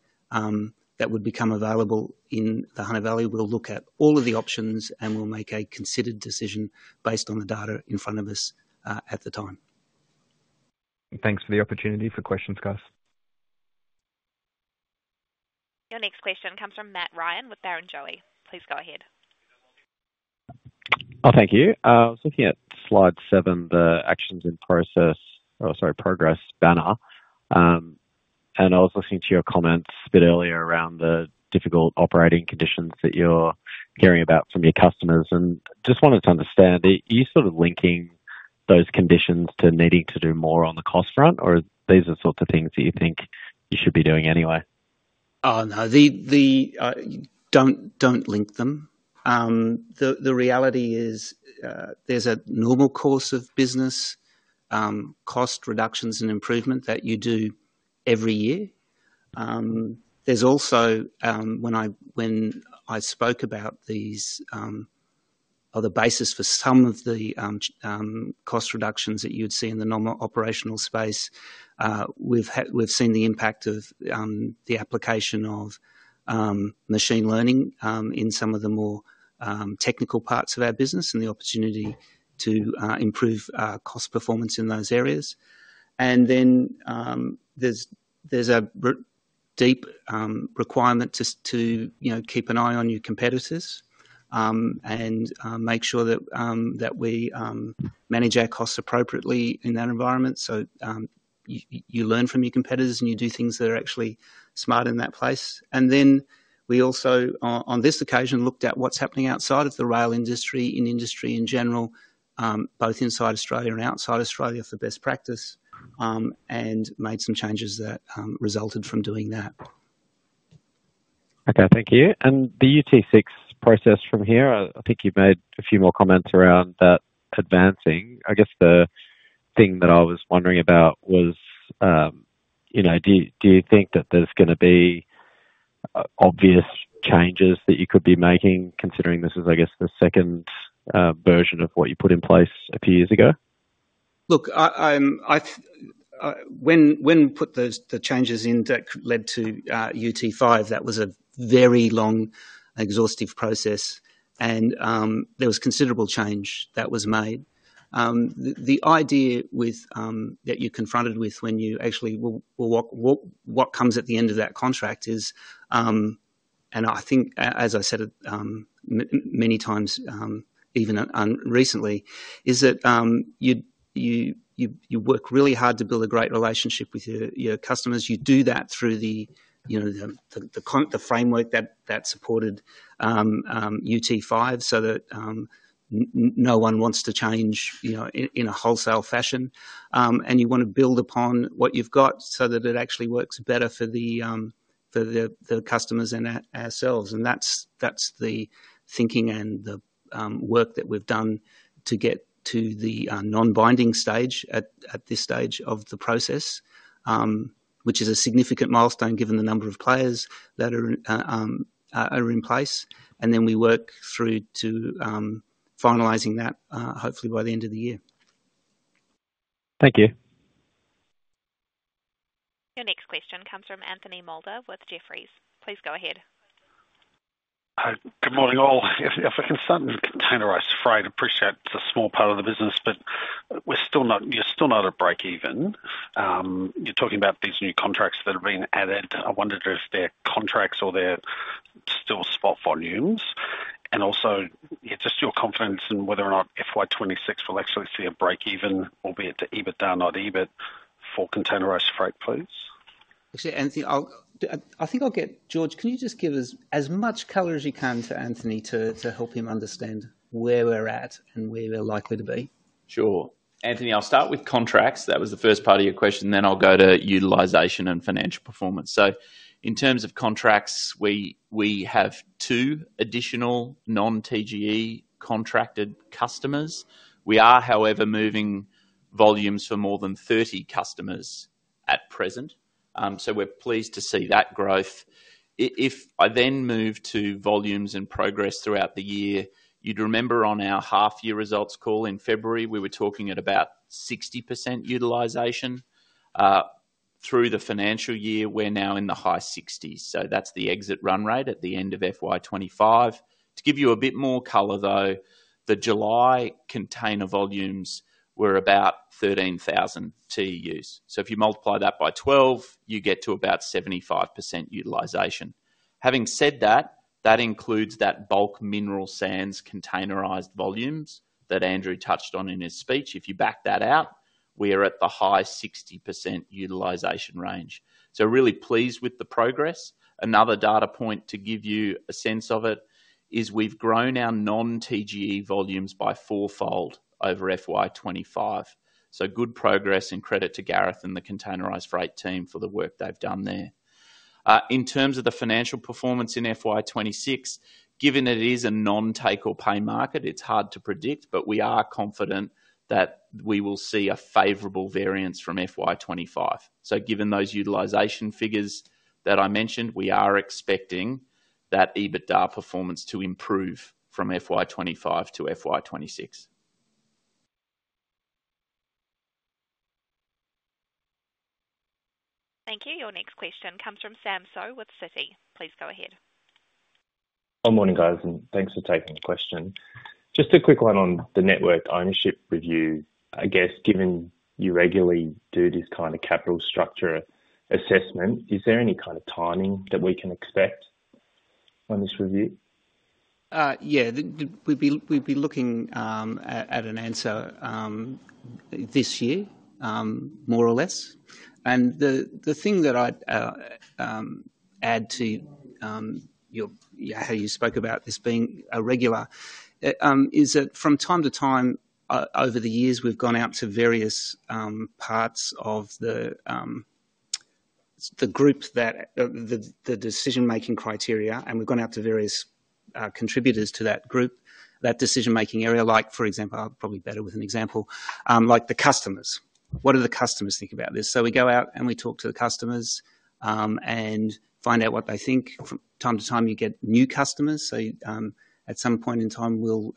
S1: that would become available in the Hunter Valley. We'll look at all of the options, and we'll make a considered decision based on the data in front of us at the time.
S5: Thanks for the opportunity for questions, guys.
S3: Your next question comes from Matt Ryan with Barrenjoey. Please go ahead.
S7: Thank you. I was looking at slide seven, the actions in process, or sorry, progress banner. I was listening to your comments a bit earlier around the difficult operating conditions that you're hearing about from your customers. I just wanted to understand, are you sort of linking those conditions to needing to do more on the cost front, or are these the sorts of things that you think you should be doing anyway?
S1: Oh, no, don't link them. The reality is there's a normal course of business, cost reductions, and improvement that you do every year. There's also, when I spoke about these other bases for some of the cost reductions that you'd see in the non-operational space, we've seen the impact of the application of machine learning in some of the more technical parts of our business and the opportunity to improve cost performance in those areas. There is a deep requirement to keep an eye on your competitors and make sure that we manage our costs appropriately in that environment. You learn from your competitors and you do things that are actually smart in that place. We also, on this occasion, looked at what's happening outside of the rail industry, in industry in general, both inside Australia and outside Australia for best practice, and made some changes that resulted from doing that.
S7: Okay, thank you. The UT6 process from here, I think you've made a few more comments around that advancing. I guess the thing that I was wondering about was, do you think that there's going to be obvious changes that you could be making considering this is, I guess, the second version of what you put in place a few years ago?
S1: Look, when we put those changes in that led to UT5, that was a very long, exhaustive process, and there was considerable change that was made. The idea that you're confronted with when you actually will walk what comes at the end of that contract is, and I think, as I said many times, even recently, is that you work really hard to build a great relationship with your customers. You do that through the framework that supported UT5 so that no one wants to change, you know, in a wholesale fashion. You want to build upon what you've got so that it actually works better for the customers and ourselves. That's the thinking and the work that we've done to get to the non-binding stage at this stage of the process, which is a significant milestone given the number of players that are in place. We work through to finalizing that hopefully by the end of the year.
S7: Thank you.
S3: Your next question comes from Anthony Moulder with Jefferies. Please go ahead.
S8: Good morning all. If I can start in containerized freight, I appreciate it's a small part of the business, but we're still not, you're still not at break even. You're talking about these new contracts that have been added. I wondered if they're contracts or they're still spot volumes. Also, just your confidence in whether or not FY 2026 will actually see a break even, albeit to EBITDA not EBIT for containerized freight, please.
S1: I think I'll get George, can you just give us as much color as you can to Anthony to help him understand where we're at and where we're likely to be?
S2: Sure. Anthony, I'll start with contracts. That was the first part of your question. Then I'll go to utilization and financial performance. In terms of contracts, we have two additional non-TGE contracted customers. We are, however, moving volumes for more than 30 customers at present. We're pleased to see that growth. If I then move to volumes and progress throughout the year, you'd remember on our half-year results call in February, we were talking at about 60% utilization. Through the financial year, we're now in the high 60s. That's the exit run rate at the end of FY 2025. To give you a bit more color, the July container volumes were about 13,000 TUs. If you multiply that by 12, you get to about 75% utilization. Having said that, that includes the bulk mineral sands containerized volumes that Andrew touched on in his speech. If you back that out, we are at the high 60% utilization range. Really pleased with the progress. Another data point to give you a sense of it is we've grown our non-TGE volumes by fourfold over FY 2025. Good progress and credit to Gareth and the containerized freight team for the work they've done there. In terms of the financial performance in FY 2026, given it is a non-take or pay market, it's hard to predict, but we are confident that we will see a favorable variance from FY 2025. Given those utilization figures that I mentioned, we are expecting that EBITDA performance to improve from FY 2025 to FY 2026.
S3: Thank you. Your next question comes from Sam Seow with Citi. Please go ahead.
S9: Good morning, guys, and thanks for taking the question. Just a quick one on the network ownership review. I guess given you regularly do this kind of capital structure assessment, is there any kind of timing that we can expect on this review?
S1: Yeah, we've been looking at an answer this year, more or less. The thing that I'd add to how you spoke about this being a regular is that from time to time, over the years, we've gone out to various parts of the group, the decision-making criteria, and we've gone out to various contributors to that group, that decision-making area. For example, I'll probably be better with an example, like the customers. What do the customers think about this? We go out and we talk to the customers and find out what they think. From time to time, you get new customers. At some point in time, we'll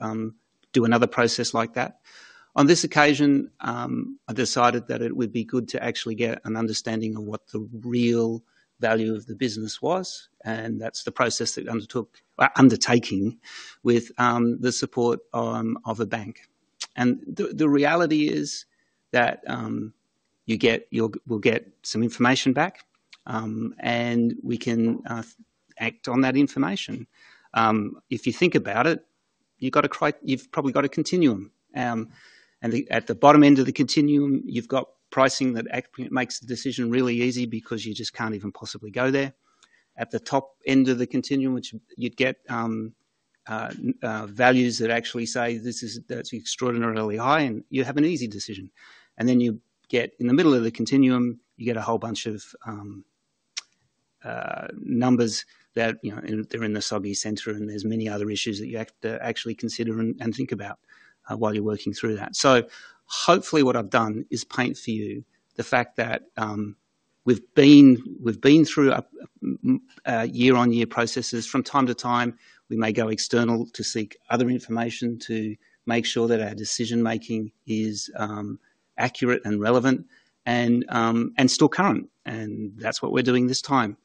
S1: do another process like that. On this occasion, I decided that it would be good to actually get an understanding of what the real value of the business was, and that's the process that I undertook, undertaking with the support of a bank. The reality is that you'll get some information back, and we can act on that information. If you think about it, you've probably got a continuum. At the bottom end of the continuum, you've got pricing that makes the decision really easy because you just can't even possibly go there. At the top end of the continuum, you get values that actually say this is extraordinarily high, and you have an easy decision. In the middle of the continuum, you get a whole bunch of numbers that, you know, they're in the soggy center, and there are many other issues that you have to actually consider and think about while you're working through that. Hopefully what I've done is paint for you the fact that we've been through year-on-year processes. From time to time, we may go external to seek other information to make sure that our decision-making is accurate and relevant and still current. That's what we're doing this time.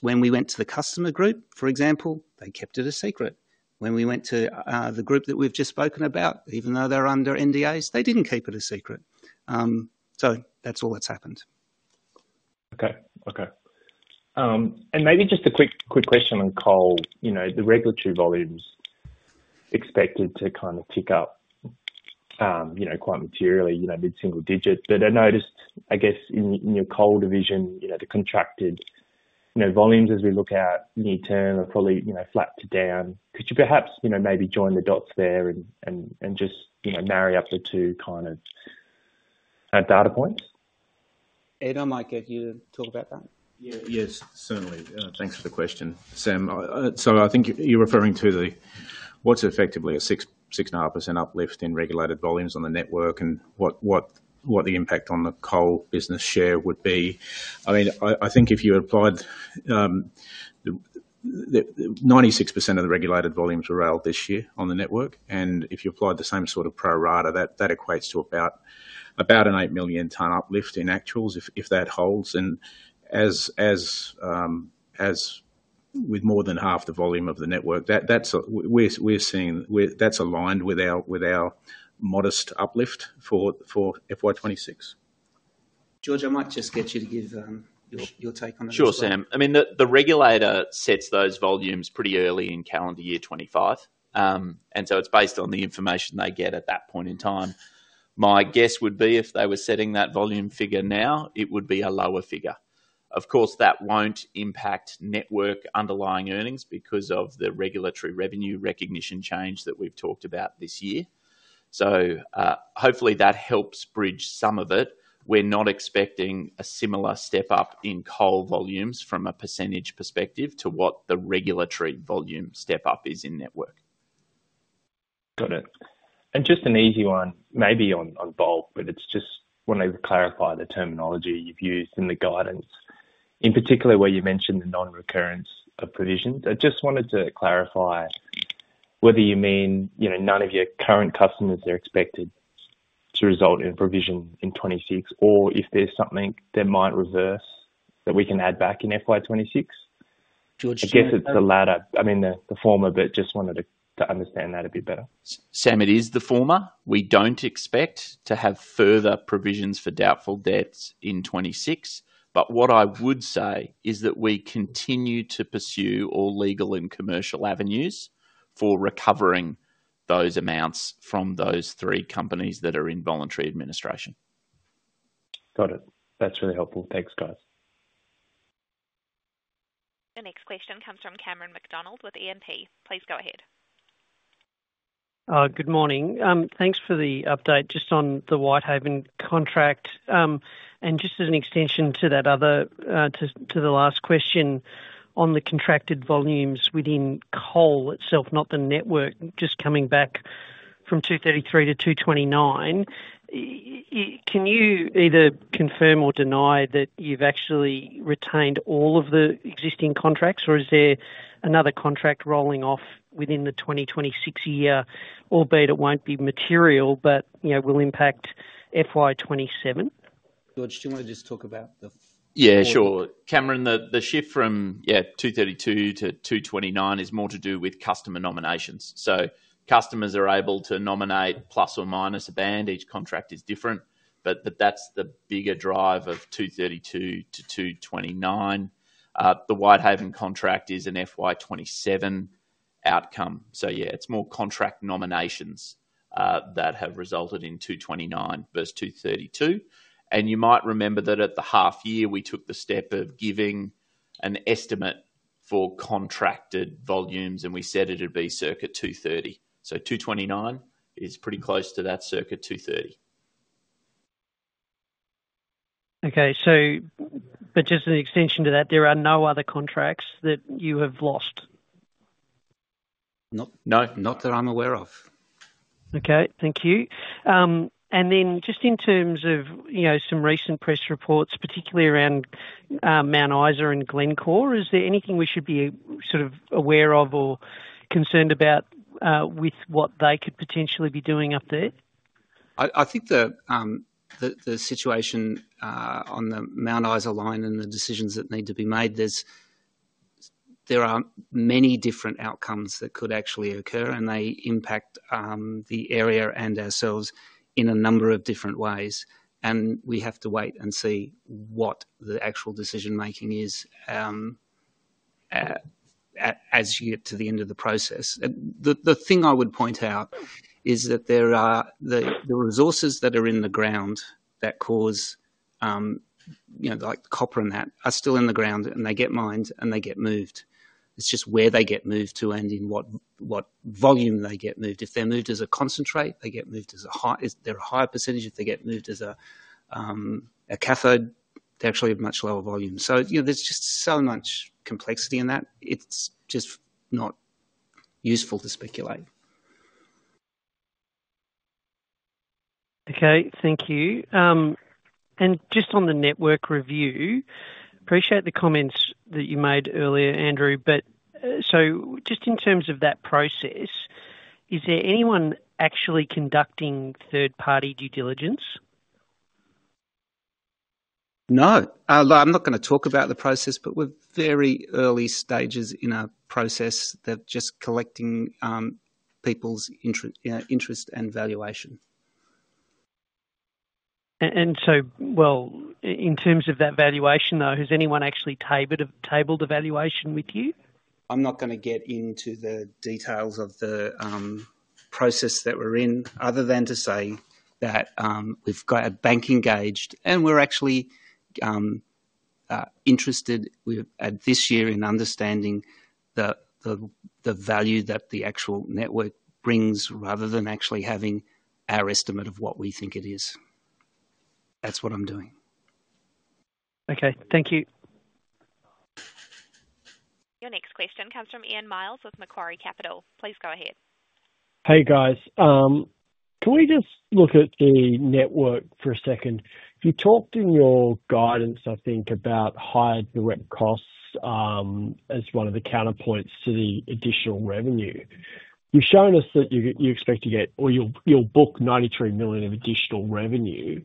S1: When we went to the customer group, for example, they kept it a secret. When we went to the group that we've just spoken about, even though they're under NDAs, they didn't keep it a secret. That's all that's happened.
S9: Okay. Maybe just a quick question on coal. The regulatory volumes expected to kind of tick up, you know, quite materially, mid-single digit. I noticed, I guess, in your coal division, the contracted volumes as we look out in the term are probably flat to down. Could you perhaps maybe join the dots there and just marry up the two kind of data points?
S1: Ed um, if you talk about that.
S6: Yes, certainly. Thanks for the question, Sam. I think you're referring to what's effectively a 6.5% uplift in regulated volumes on the network and what the impact on the coal business share would be. I think if you applied 96% of the regulated volumes were railed this year on the network, and if you applied the same sort of pro rata, that equates to about an 8 million ton uplift in actuals if that holds. With more than half the volume of the network, that's aligned with our modest uplift for FY 2026.
S1: George, I might just get you to give your take on that.
S2: Sure, Sam. I mean, the regulator sets those volumes pretty early in calendar year 2025, and it's based on the information they get at that point in time. My guess would be if they were setting that volume figure now, it would be a lower figure. Of course, that won't impact network underlying earnings because of the regulatory revenue recognition change that we've talked about this year. Hopefully that helps bridge some of it. We're not expecting a similar step up in coal volumes from a % perspective to what the regulatory volume step up is in network.
S9: Got it. Just an easy one, maybe on bulk, but it's just wanting to clarify the terminology you've used in the guidance. In particular, where you mentioned the non-recurrence of provisions, I just wanted to clarify whether you mean none of your current customers are expected to result in a provision in 2026, or if there's something that might reverse that we can add back in FY 2026. I guess it's the latter, I mean the former, but just wanted to understand that a bit better.
S1: Sam, it is the former. We don't expect to have further provisions for doubtful debts in 2026, but what I would say is that we continue to pursue all legal and commercial avenues for recovering those amounts from those three companies that are in involuntary administration.
S9: Got it. That's really helpful. Thanks, guys.
S3: The next question comes from Cameron McDonald with ENP. Please go ahead.
S10: Good morning. Thanks for the update just on the Whitehaven contract. Just as an extension to that other, to the last question on the contracted volumes within coal itself, not the network, just coming back from 233 to 229, can you either confirm or deny that you've actually retained all of the existing contracts, or is there another contract rolling off within the 2026 year, albeit it won't be material, but will impact FY 2027?
S1: George, do you want to just talk about the...
S2: Yeah, sure. Cameron, the shift from 232 to 229 is more to do with customer nominations. Customers are able to nominate plus or minus a band. Each contract is different, but that's the bigger drive of 232 to 229. The Whitehaven contract is an FY 2027 outcome. It's more contract nominations that have resulted in 229 versus 232. You might remember that at the half year, we took the step of giving an estimate for contracted volumes, and we said it'd be circa 230. 229 is pretty close to that circa 230.
S10: Okay, just an extension to that, there are no other contracts that you have lost?
S2: No, not that I'm aware of.
S10: Thank you. In terms of some recent press reports, particularly around Mount Isa and Glencore, is there anything we should be aware of or concerned about with what they could potentially be doing up there?
S1: I think the situation on the Mount Isa line and the decisions that need to be made, there are many different outcomes that could actually occur, and they impact the area and ourselves in a number of different ways. We have to wait and see what the actual decision-making is as you get to the end of the process. The thing I would point out is that there are the resources that are in the ground that cause, you know, like copper and that are still in the ground, and they get mined, and they get moved. It's just where they get moved to and in what volume they get moved. If they're moved as a concentrate, they get moved as a high, is there a higher % if they get moved as a cathode? They're actually a much lower volume. There is just so much complexity in that. It's just not useful to speculate.
S10: Okay, thank you. Just on the network review, I appreciate the comments that you made earlier, Andrew. In terms of that process, is there anyone actually conducting third-party due diligence?
S1: No, I'm not going to talk about the process, but we're very early stages in our process. They're just collecting people's interest and valuation.
S10: In terms of that valuation, though, has anyone actually tabled the valuation with you?
S1: I'm not going to get into the details of the process that we're in, other than to say that we've got a bank engaged, and we're actually interested this year in understanding the value that the actual network brings, rather than actually having our estimate of what we think it is. That's what I'm doing.
S10: Okay, thank you.
S3: Your next question comes from Ian Myles with Macquarie Capital. Please go ahead.
S11: Hey guys, can we just look at the network for a second? If you talked in your guidance, I think, about higher direct costs as one of the counterpoints to the additional revenue, you've shown us that you expect to get, or you'll book $93 million of additional revenue.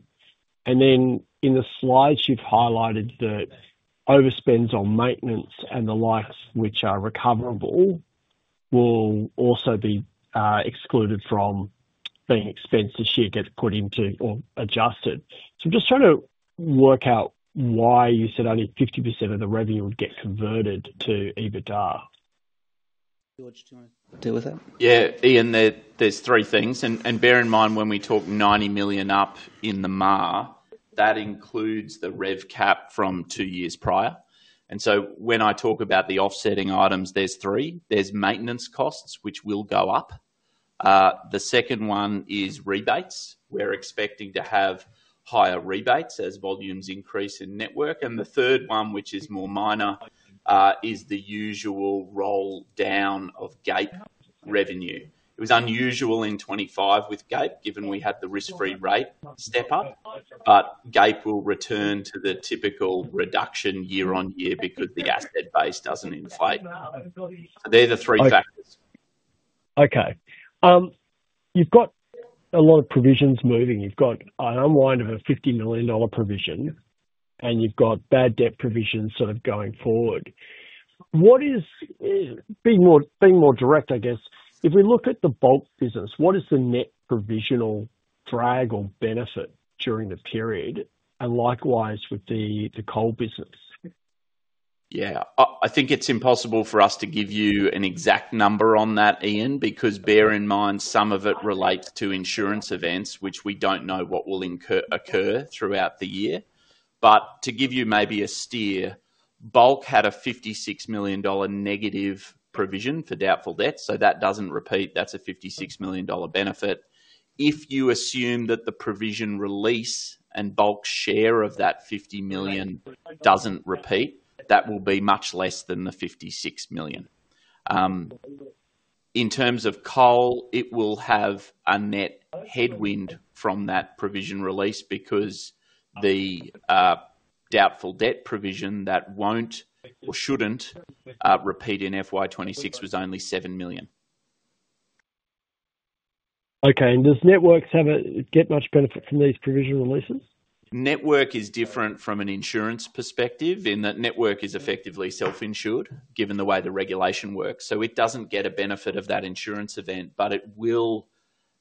S11: In the slides, you've highlighted that overspends on maintenance and the like, which are recoverable, will also be excluded from being expenses that get put into or adjusted. I'm just trying to work out why you said only 50% of the revenue would get converted to EBITDA.
S1: George, do you want to deal with that?
S2: Yeah, Ian, there's three things. Bear in mind, when we talk $90 million up in the MAR, that includes the rev cap from two years prior. When I talk about the offsetting items, there's three. There's maintenance costs, which will go up. The second one is rebates. We're expecting to have higher rebates as volumes increase in network. The third one, which is more minor, is the usual roll down of GAEP revenue. It was unusual in 2025 with GAEP, given we had the risk-free rate step up. GAEP will return to the typical reduction year on year because the asset base doesn't inflate. They're the three factors.
S11: Okay. You've got a lot of provisions moving. You've got an unwind of a $50 million provision and you've got bad debt provision going forward. What is, being more direct, I guess, if we look at the bulk business, what is the net provisional drag or benefit during the period, and likewise with the coal business?
S1: Yeah, I think it's impossible for us to give you an exact number on that, Ian, because bear in mind some of it relates to insurance events, which we don't know what will occur throughout the year. To give you maybe a steer, bulk had a $56 million negative provision for doubtful debt. That doesn't repeat. That's a $56 million benefit. If you assume that the provision release and bulk share of that $50 million doesn't repeat, that will be much less than the $56 million. In terms of coal, it will have a net headwind from that provision release because the doubtful debt provision that won't or shouldn't repeat in FY 2026 was only $7 million.
S11: Okay. Does Networks get much benefit from these provision releases?
S1: Network is different from an insurance perspective in that network is effectively self-insured given the way the regulation works. It doesn't get a benefit of that insurance event, but it will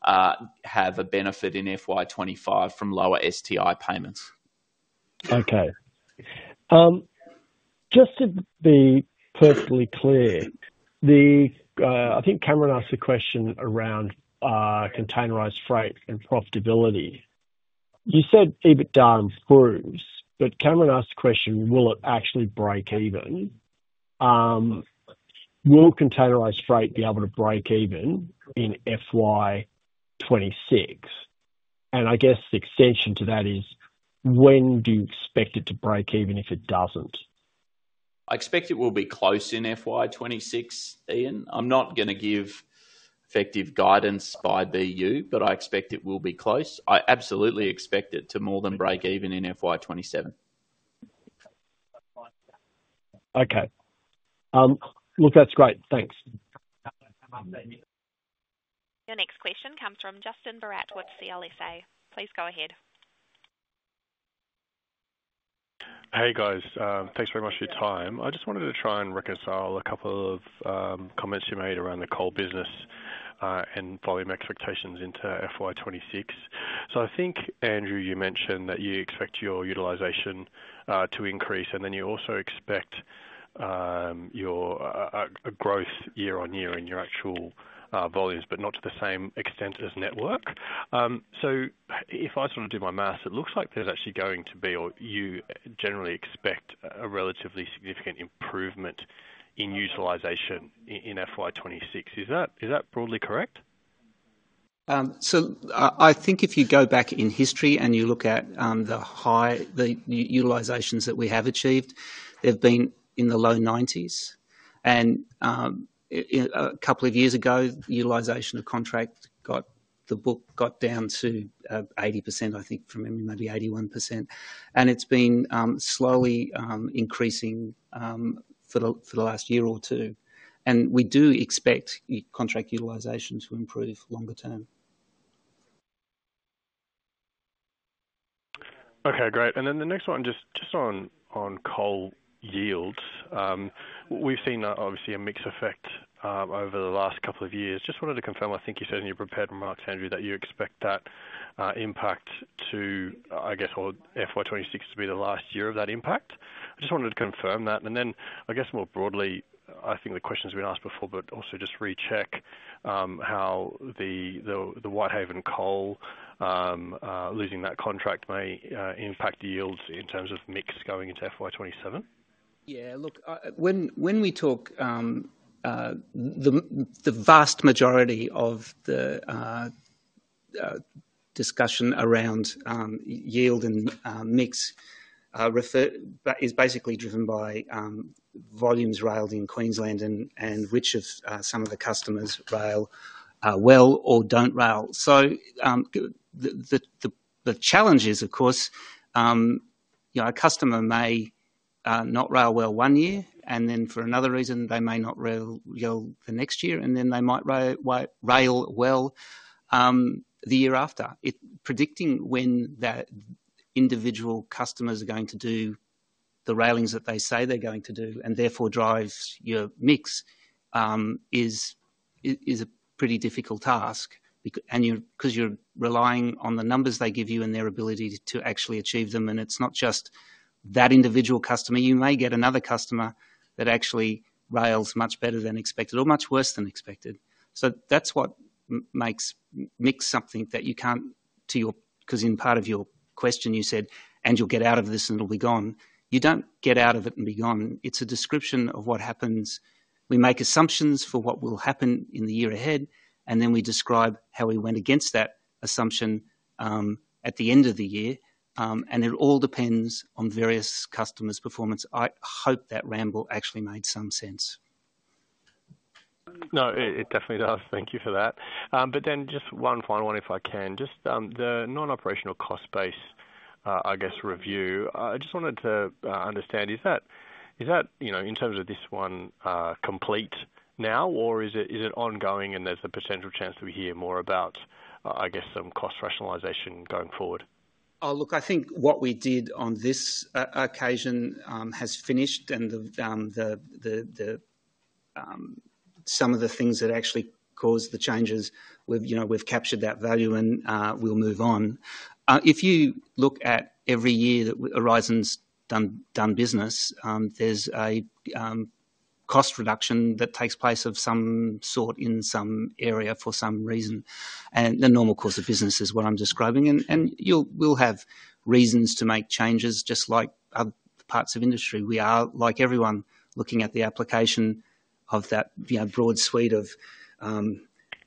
S1: have a benefit in FY 2025 from lower STI payments.
S11: Okay. Just to be perfectly clear, I think Cameron asked a question around containerized freight and profitability. You said EBITDA improves, but Cameron asked the question, will it actually break even? Will containerized freight be able to break even in FY 2026? I guess the extension to that is when do you expect it to break even if it doesn't?
S1: I expect it will be close in FY 2026, Ian. I'm not going to give effective guidance by BU, but I expect it will be close. I absolutely expect it to more than break even in FY2027.
S11: Okay, look, that's great. Thanks.
S3: Your next question comes from Justin Barratt with CLSA. Please go ahead.
S12: Hey guys, thanks very much for your time. I just wanted to try and reconcile a couple of comments you made around the coal business and volume expectations into FY 2026. I think, Andrew, you mentioned that you expect your utilization to increase and you also expect a growth year on year in your actual volumes, but not to the same extent as network. If I do my maths, it looks like there's actually going to be, or you generally expect, a relatively significant improvement in utilization in FY 2026. Is that broadly correct?
S1: If you go back in history and you look at the high utilizations that we have achieved, they've been in the low 90%. A couple of years ago, the utilization of contract got the book got down to 80%, I think, from maybe 81%. It's been slowly increasing for the last year or two, and we do expect contract utilization to improve longer term.
S12: Okay, great. The next one just on coal yields. We've seen obviously a mix effect over the last couple of years. I just wanted to confirm, I think you said in your prepared remarks, Andrew, that you expect that impact to, I guess, FY 2026 to be the last year of that impact. I just wanted to confirm that. More broadly, I think the question's been asked before, but also just recheck how the Whitehaven coal losing that contract may impact yields in terms of mix going into FY2027.
S1: Yeah, look, when we talk, the vast majority of the discussion around yield and mix is basically driven by volumes railed in Queensland and which of some of the customers rail well or don't rail. The challenge is, of course, you know, a customer may not rail well one year and then for another reason they may not rail the next year and then they might rail well the year after. Predicting when that individual customers are going to do the railings that they say they're going to do and therefore drive your mix is a pretty difficult task because you're relying on the numbers they give you and their ability to actually achieve them. It's not just that individual customer. You may get another customer that actually rails much better than expected or much worse than expected. That's what makes mix something that you can't, to your, because in part of your question you said, and you'll get out of this and it'll be gone. You don't get out of it and be gone. It's a description of what happens. We make assumptions for what will happen in the year ahead, and then we describe how we went against that assumption at the end of the year. It all depends on various customers' performance. I hope that ramble actually made some sense.
S12: No, it definitely does. Thank you for that. Just one final one, if I can. Just the non-operational cost base, I guess, review. I just wanted to understand, is that, you know, in terms of this one complete now or is it ongoing and there's a potential chance that we hear more about, I guess, some cost rationalization going forward?
S1: Oh, look, I think what we did on this occasion has finished, and some of the things that actually caused the changes, you know, we've captured that value and we'll move on. If you look at every year that Aurizon's done business, there's a cost reduction that takes place of some sort in some area for some reason. The normal course of business is what I'm describing. We'll have reasons to make changes just like other parts of industry. We are, like everyone, looking at the application of that broad suite of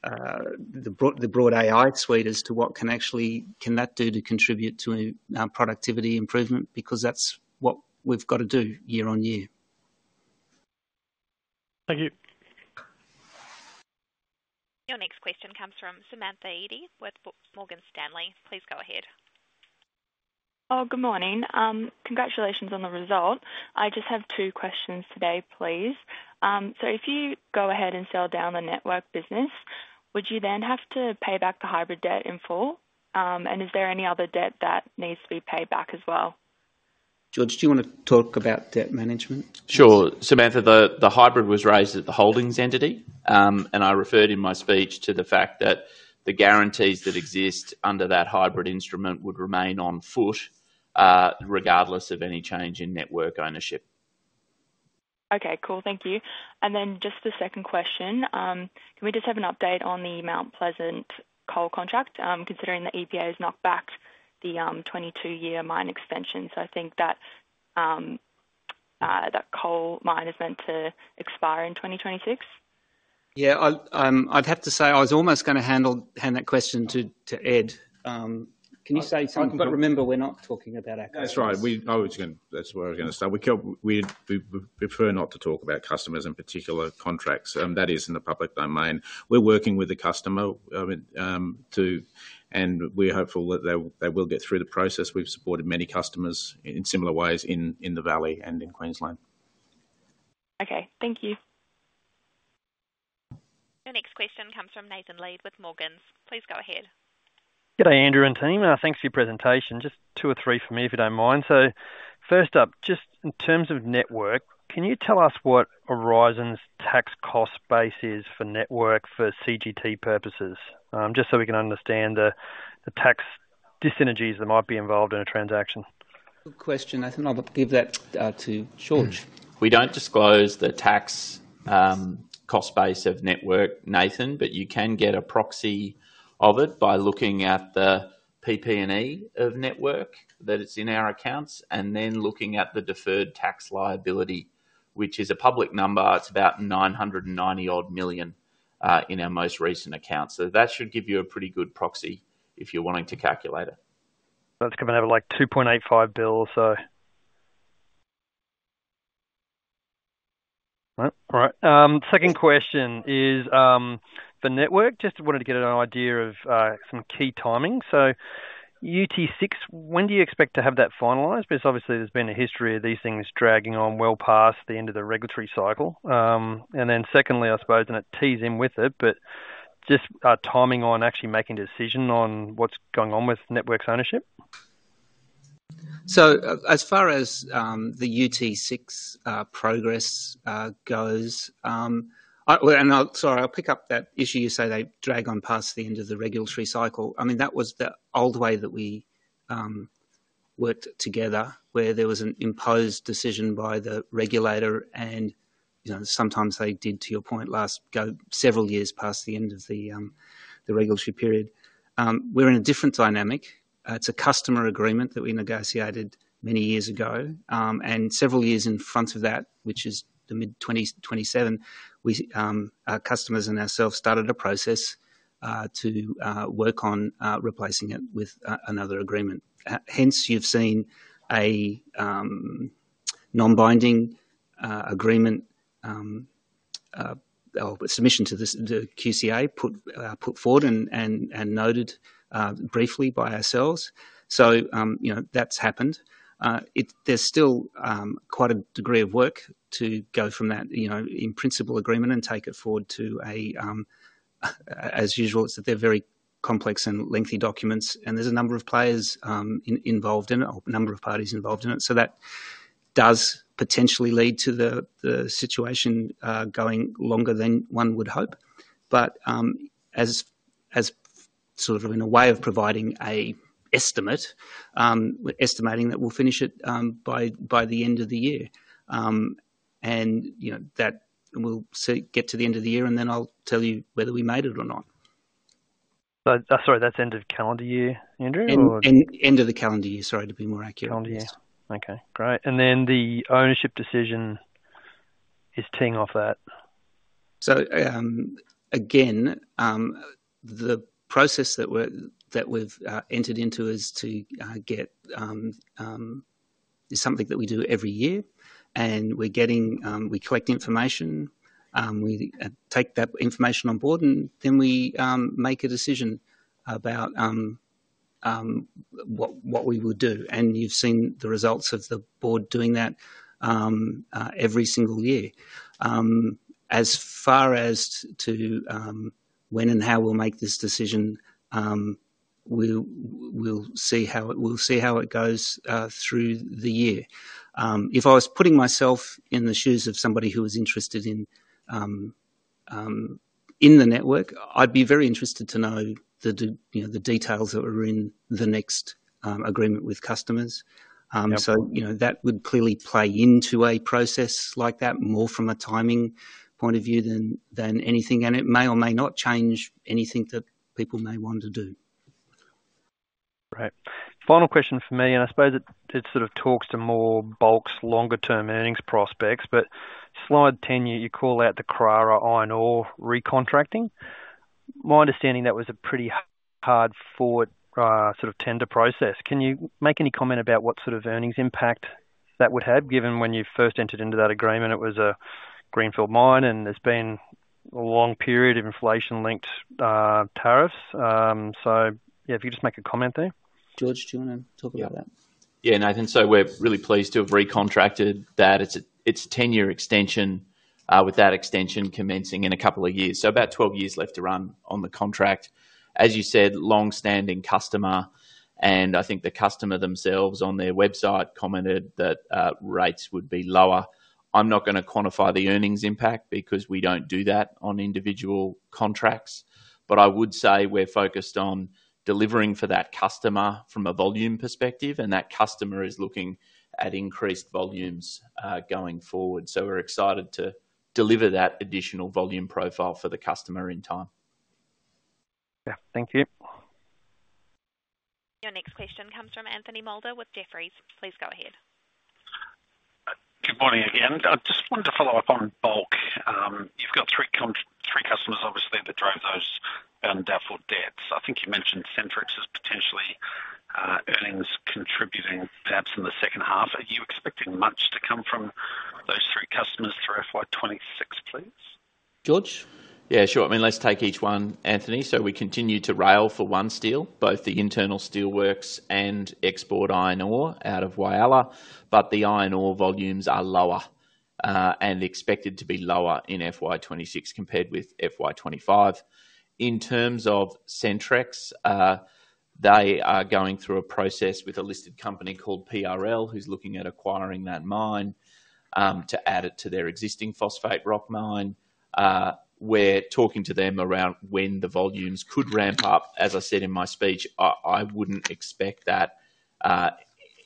S1: the broad AI suite as to what can actually, can that do to contribute to our productivity improvement because that's what we've got to do year on year.
S12: Thank you.
S3: Your next question comes from Samantha Edie with Morgan Stanley. Please go ahead.
S13: Good morning. Congratulations on the result. I just have two questions today, please. If you go ahead and sell down the network business, would you then have to pay back the hybrid debt in full? Is there any other debt that needs to be paid back as well?
S1: George, do you want to talk about debt management?
S2: Sure. Samantha, the hybrid was raised at the Holdings entity, and I referred in my speech to the fact that the guarantees that exist under that hybrid instrument would remain on foot regardless of any change in network ownership.
S13: Okay, cool. Thank you. Just the second question, can we have an update on the Mount Pleasant coal contract considering the EPA has knocked back the 22-year mine extension? I think that coal mine is meant to expire in 2026.
S1: Yeah, I'd have to say I was almost going to hand that question to Ed. Can you say, I've got to remember we're not talking about...
S6: That's right. That's where we're going to start. We prefer not to talk about customers in particular contracts. That is in the public domain. We're working with the customer, and we're hopeful that they will get through the process. We've supported many customers in similar ways in the Valley and in Queensland.
S2: Okay, thank you.
S3: Our next question comes from Nathan Lead with Morgans. Please go ahead.
S14: Good day, Andrew and team. Thanks for your presentation. Just two or three for me if you don't mind. First up, just in terms of network, can you tell us what Aurizon's tax cost base is for network for CGT purposes? Just so we can understand the tax disentities that might be involved in a transaction.
S1: Good question, Nathan. I'll give that to George.
S2: We don't disclose the tax cost base of network, Nathan, but you can get a proxy of it by looking at the PP&E of network that is in our accounts and then looking at the deferred tax liability, which is a public number. It's about $990 million in our most recent accounts. That should give you a pretty good proxy if you're wanting to calculate it.
S14: That's coming out of like $2.85 billion or so. All right. Second question is for Network. Just wanted to get an idea of some key timing. So UT6, when do you expect to have that finalized? Because obviously there's been a history of these things dragging on well past the end of the regulatory cycle. Then secondly, I suppose, and it tees in with it, just timing on actually making a decision on what's going on with Network's ownership.
S1: As far as the UT6 progress goes, I'll pick up that issue you say they drag on past the end of the regulatory cycle. That was the old way that we worked together where there was an imposed decision by the regulator and, you know, sometimes they did, to your point, last go several years past the end of the regulatory period. We're in a different dynamic. It's a customer agreement that we negotiated many years ago. Several years in front of that, which is the mid-2027, customers and ourselves started a process to work on replacing it with another agreement. Hence, you've seen a non-binding agreement, a submission to the QCA put forward and noted briefly by ourselves. That's happened. There's still quite a degree of work to go from that in principle agreement and take it forward to a, as usual, it's that they're very complex and lengthy documents. There's a number of players involved in it, a number of parties involved in it. That does potentially lead to the situation going longer than one would hope. In a way of providing an estimate, estimating that we'll finish it by the end of the year. We'll get to the end of the year and then I'll tell you whether we made it or not.
S14: Sorry, that's end of calendar year, Andrew?
S1: End of the calendar year, to be more accurate.
S14: Calendar year. Okay, great. The ownership decision is teeing off that.
S1: The process that we've entered into is something that we do every year. We're getting, we collect information, we take that information on board, and then we make a decision about what we will do. You've seen the results of the board doing that every single year. As far as to when and how we'll make this decision, we'll see how it goes through the year. If I was putting myself in the shoes of somebody who was interested in the network, I'd be very interested to know the details that are in the next agreement with customers. That would clearly play into a process like that more from a timing point of view than anything. It may or may not change anything that people may want to do.
S14: Right. Final question for me, and I suppose it sort of talks to more Bulk's longer-term earnings prospects, but slide 10, you call out the Karara iron ore recontracting. My understanding, that was a pretty hard-fought sort of tender process. Can you make any comment about what sort of earnings impact that would have given when you first entered into that agreement? It was a greenfield mine, and there's been a long period of inflation-linked tariffs. If you could just make a comment there.
S1: George, do you want to talk about that?
S2: Yeah, Nathan. We're really pleased to have recontracted that. It's a 10-year extension with that extension commencing in a couple of years, so about 12 years left to run on the contract. As you said, longstanding customer, and I think the customer themselves on their website commented that rates would be lower. I'm not going to quantify the earnings impact because we don't do that on individual contracts. I would say we're focused on delivering for that customer from a volume perspective, and that customer is looking at increased volumes going forward. We're excited to deliver that additional volume profile for the customer in time.
S14: Thank you.
S3: Your next question comes from Anthony Moulder with Jefferies. Please go ahead.
S8: Good morning again. I just wanted to follow up on Bulk. You've got three customers, obviously, that drove those doubtful debts. I think you mentioned Centrix is potentially earnings contributing perhaps in the second half. Are you expecting much to come from those three customers through FY 2026, please?
S1: George?
S2: Yeah, sure. I mean, let's take each one, Anthony. We continue to rail for OneSteel, both the internal steelworks and export iron ore out of Whyalla. The iron ore volumes are lower and expected to be lower in FY 2026 compared with FY 2025. In terms of Centrex, they are going through a process with a listed company called PRL, who's looking at acquiring that mine to add it to their existing phosphate rock mine. We're talking to them around when the volumes could ramp up. As I said in my speech, I wouldn't expect that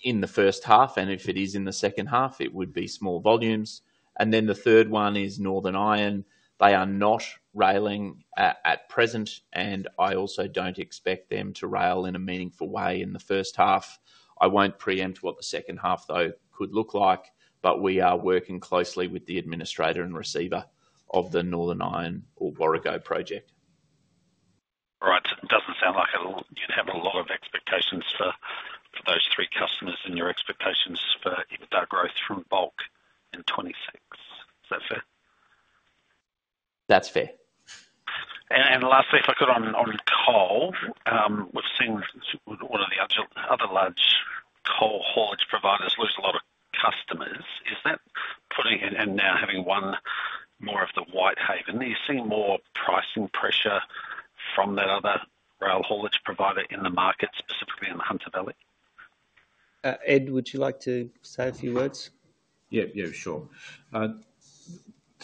S2: in the first half, and if it is in the second half, it would be small volumes. The third one is Northern Iron. They are not railing at present, and I also don't expect them to rail in a meaningful way in the first half. I won't preempt what the second half could look like, but we are working closely with the administrator and receiver of the Northern Iron or Warrego project.
S8: All right. It doesn't sound like you'd have a lot of expectations for those three customers, and your expectations for EBITDA growth from bulk in 2026. Is that fair?
S1: That's fair.
S8: Lastly, if I could, on coal, we've seen one of the other large coal haulage providers lose a lot of customers. Is that putting in and now having one more of the Whitehaven? Are you seeing more pricing pressure from that other rail haulage provider in the market, specifically in the Hunter Valley?
S1: Ed, would you like to say a few words?
S6: Yeah, sure.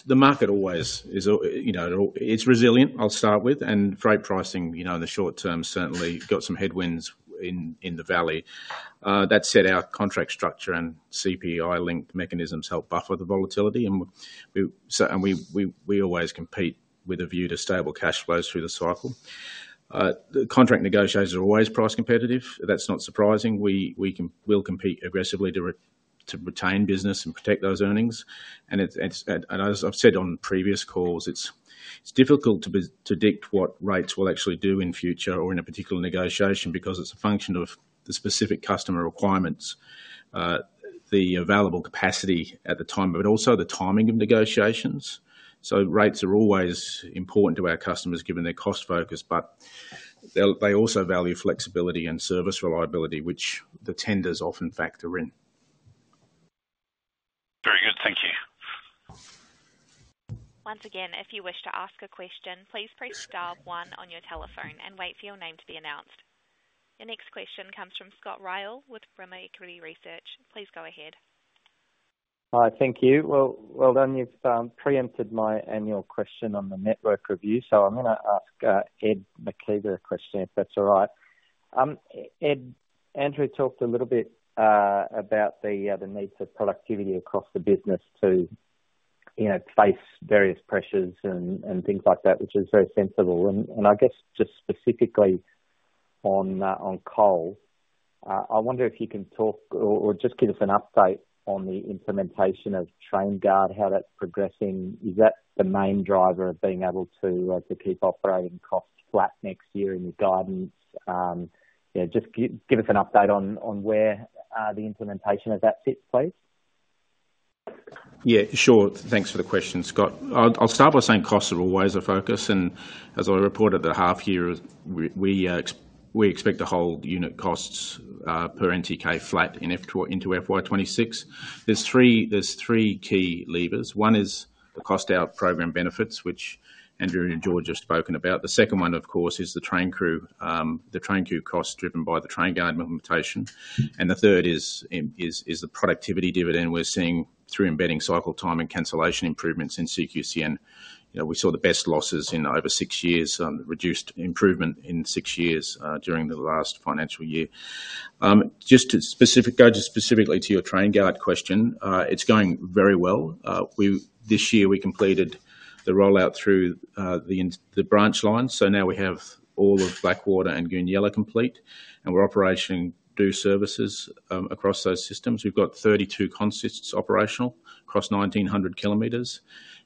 S6: The market always is, you know, it's resilient, I'll start with, and freight pricing, you know, in the short term certainly got some headwinds in the Valley. That said, our contract structure and CPI-linked mechanisms help buffer the volatility, and we always compete with a view to stable cash flows through the cycle. The contract negotiators are always price competitive. That's not surprising. We will compete aggressively to retain business and protect those earnings. As I've said on previous calls, it's difficult to predict what rates will actually do in future or in a particular negotiation because it's a function of the specific customer requirements, the available capacity at the time, but also the timing of negotiations. Rates are always important to our customers given their cost focus, but they also value flexibility and service reliability, which the tenders often factor in.
S8: Very good. Thank you.
S3: Once again, if you wish to ask a question, please press star one on your telephone and wait for your name to be announced. Your next question comes from Scott Ryall with Rimor Equity Research. Please go ahead.
S15: Hi, thank you. You've preempted my annual question on the network review, so I'm going to ask Ed McKeiver a question if that's all right. Ed, Andrew talked a little bit about the needs of productivity across the business to, you know, face various pressures and things like that, which is very sensible. I guess just specifically on coal, I wonder if you can talk or just give us an update on the implementation of TrainGuard, how that's progressing. Is that the main driver of being able to keep operating costs flat next year in your guidance? Yeah, just give us an update on where the implementation of that fits, please.
S6: Yeah, sure. Thanks for the question, Scott. I'll start by saying costs are always a focus. As I reported at the half year, we expect to hold unit costs per NTK flat into FY 2026. There are three key levers. One is the cost-out program benefits, which Andrew and George have spoken about. The second one, of course, is the train crew costs driven by the TrainGuard implementation. The third is the productivity dividend we're seeing through embedding cycle time and cancellation improvements in the Central Queensland Coal Network. We saw the best losses in over six years, reduced improvement in six years during the last financial year. Just to go specifically to your TrainGuard question, it's going very well. This year, we completed the rollout through the branch lines. Now we have all of Blackwater and Goonyella complete, and we're operating due services across those systems. We've got 32 consists operational across 1,900 km.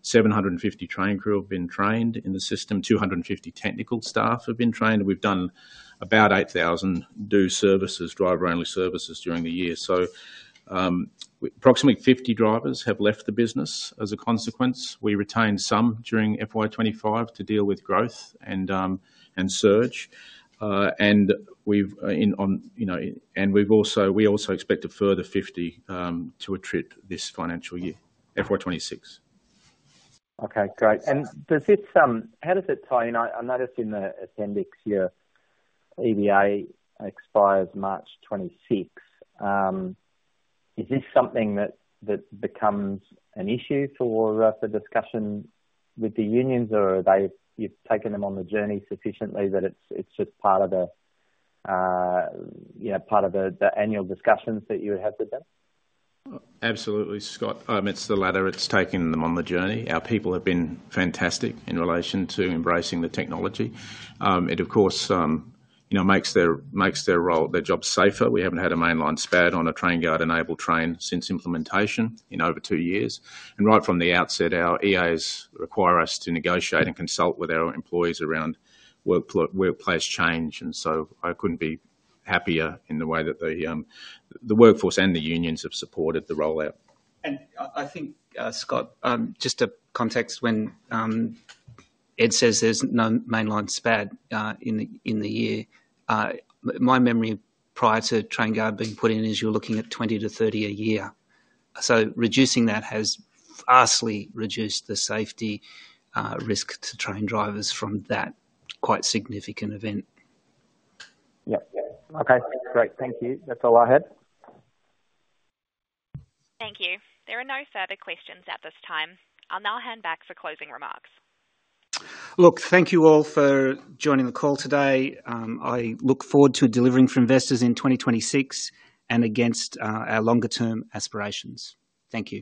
S6: 750 train crew have been trained in the system. 250 technical staff have been trained. We've done about 8,000 due services, driver-only services during the year. Approximately 50 drivers have left the business as a consequence. We retained some during FY 2025 to deal with growth and surge. We also expect a further 50 to attrit this financial year, FY 2026.
S15: Okay, great. How does it tie in? I noticed in the appendix here, EVA expires March 2026. Is this something that becomes an issue for the discussion with the unions, or have you taken them on the journey sufficiently that it's just part of the annual discussions that you have with them?
S6: Absolutely, Scott. It's the latter. It's taking them on the journey. Our people have been fantastic in relation to embracing the technology. It, of course, makes their role, their jobs safer. We haven't had a mainline SPAD on a TrainGuard-enabled train since implementation in over two years. Right from the outset, our EAs require us to negotiate and consult with our employees around workplace change. I couldn't be happier in the way that the workforce and the unions have supported the rollout.
S1: I think, Scott, just to context, when Ed says there's no mainline SPAD in the year, my memory prior to TrainGuard being put in is you're looking at 20 to 30 a year. Reducing that has vastly reduced the safety risk to train drivers from that quite significant event.
S15: Yeah. Okay, great. Thank you. That's all I had.
S3: Thank you. There are no further questions at this time. I'll now hand back for closing remarks.
S1: Look, thank you all for joining the call today. I look forward to delivering for investors in 2026 and against our longer-term aspirations. Thank you.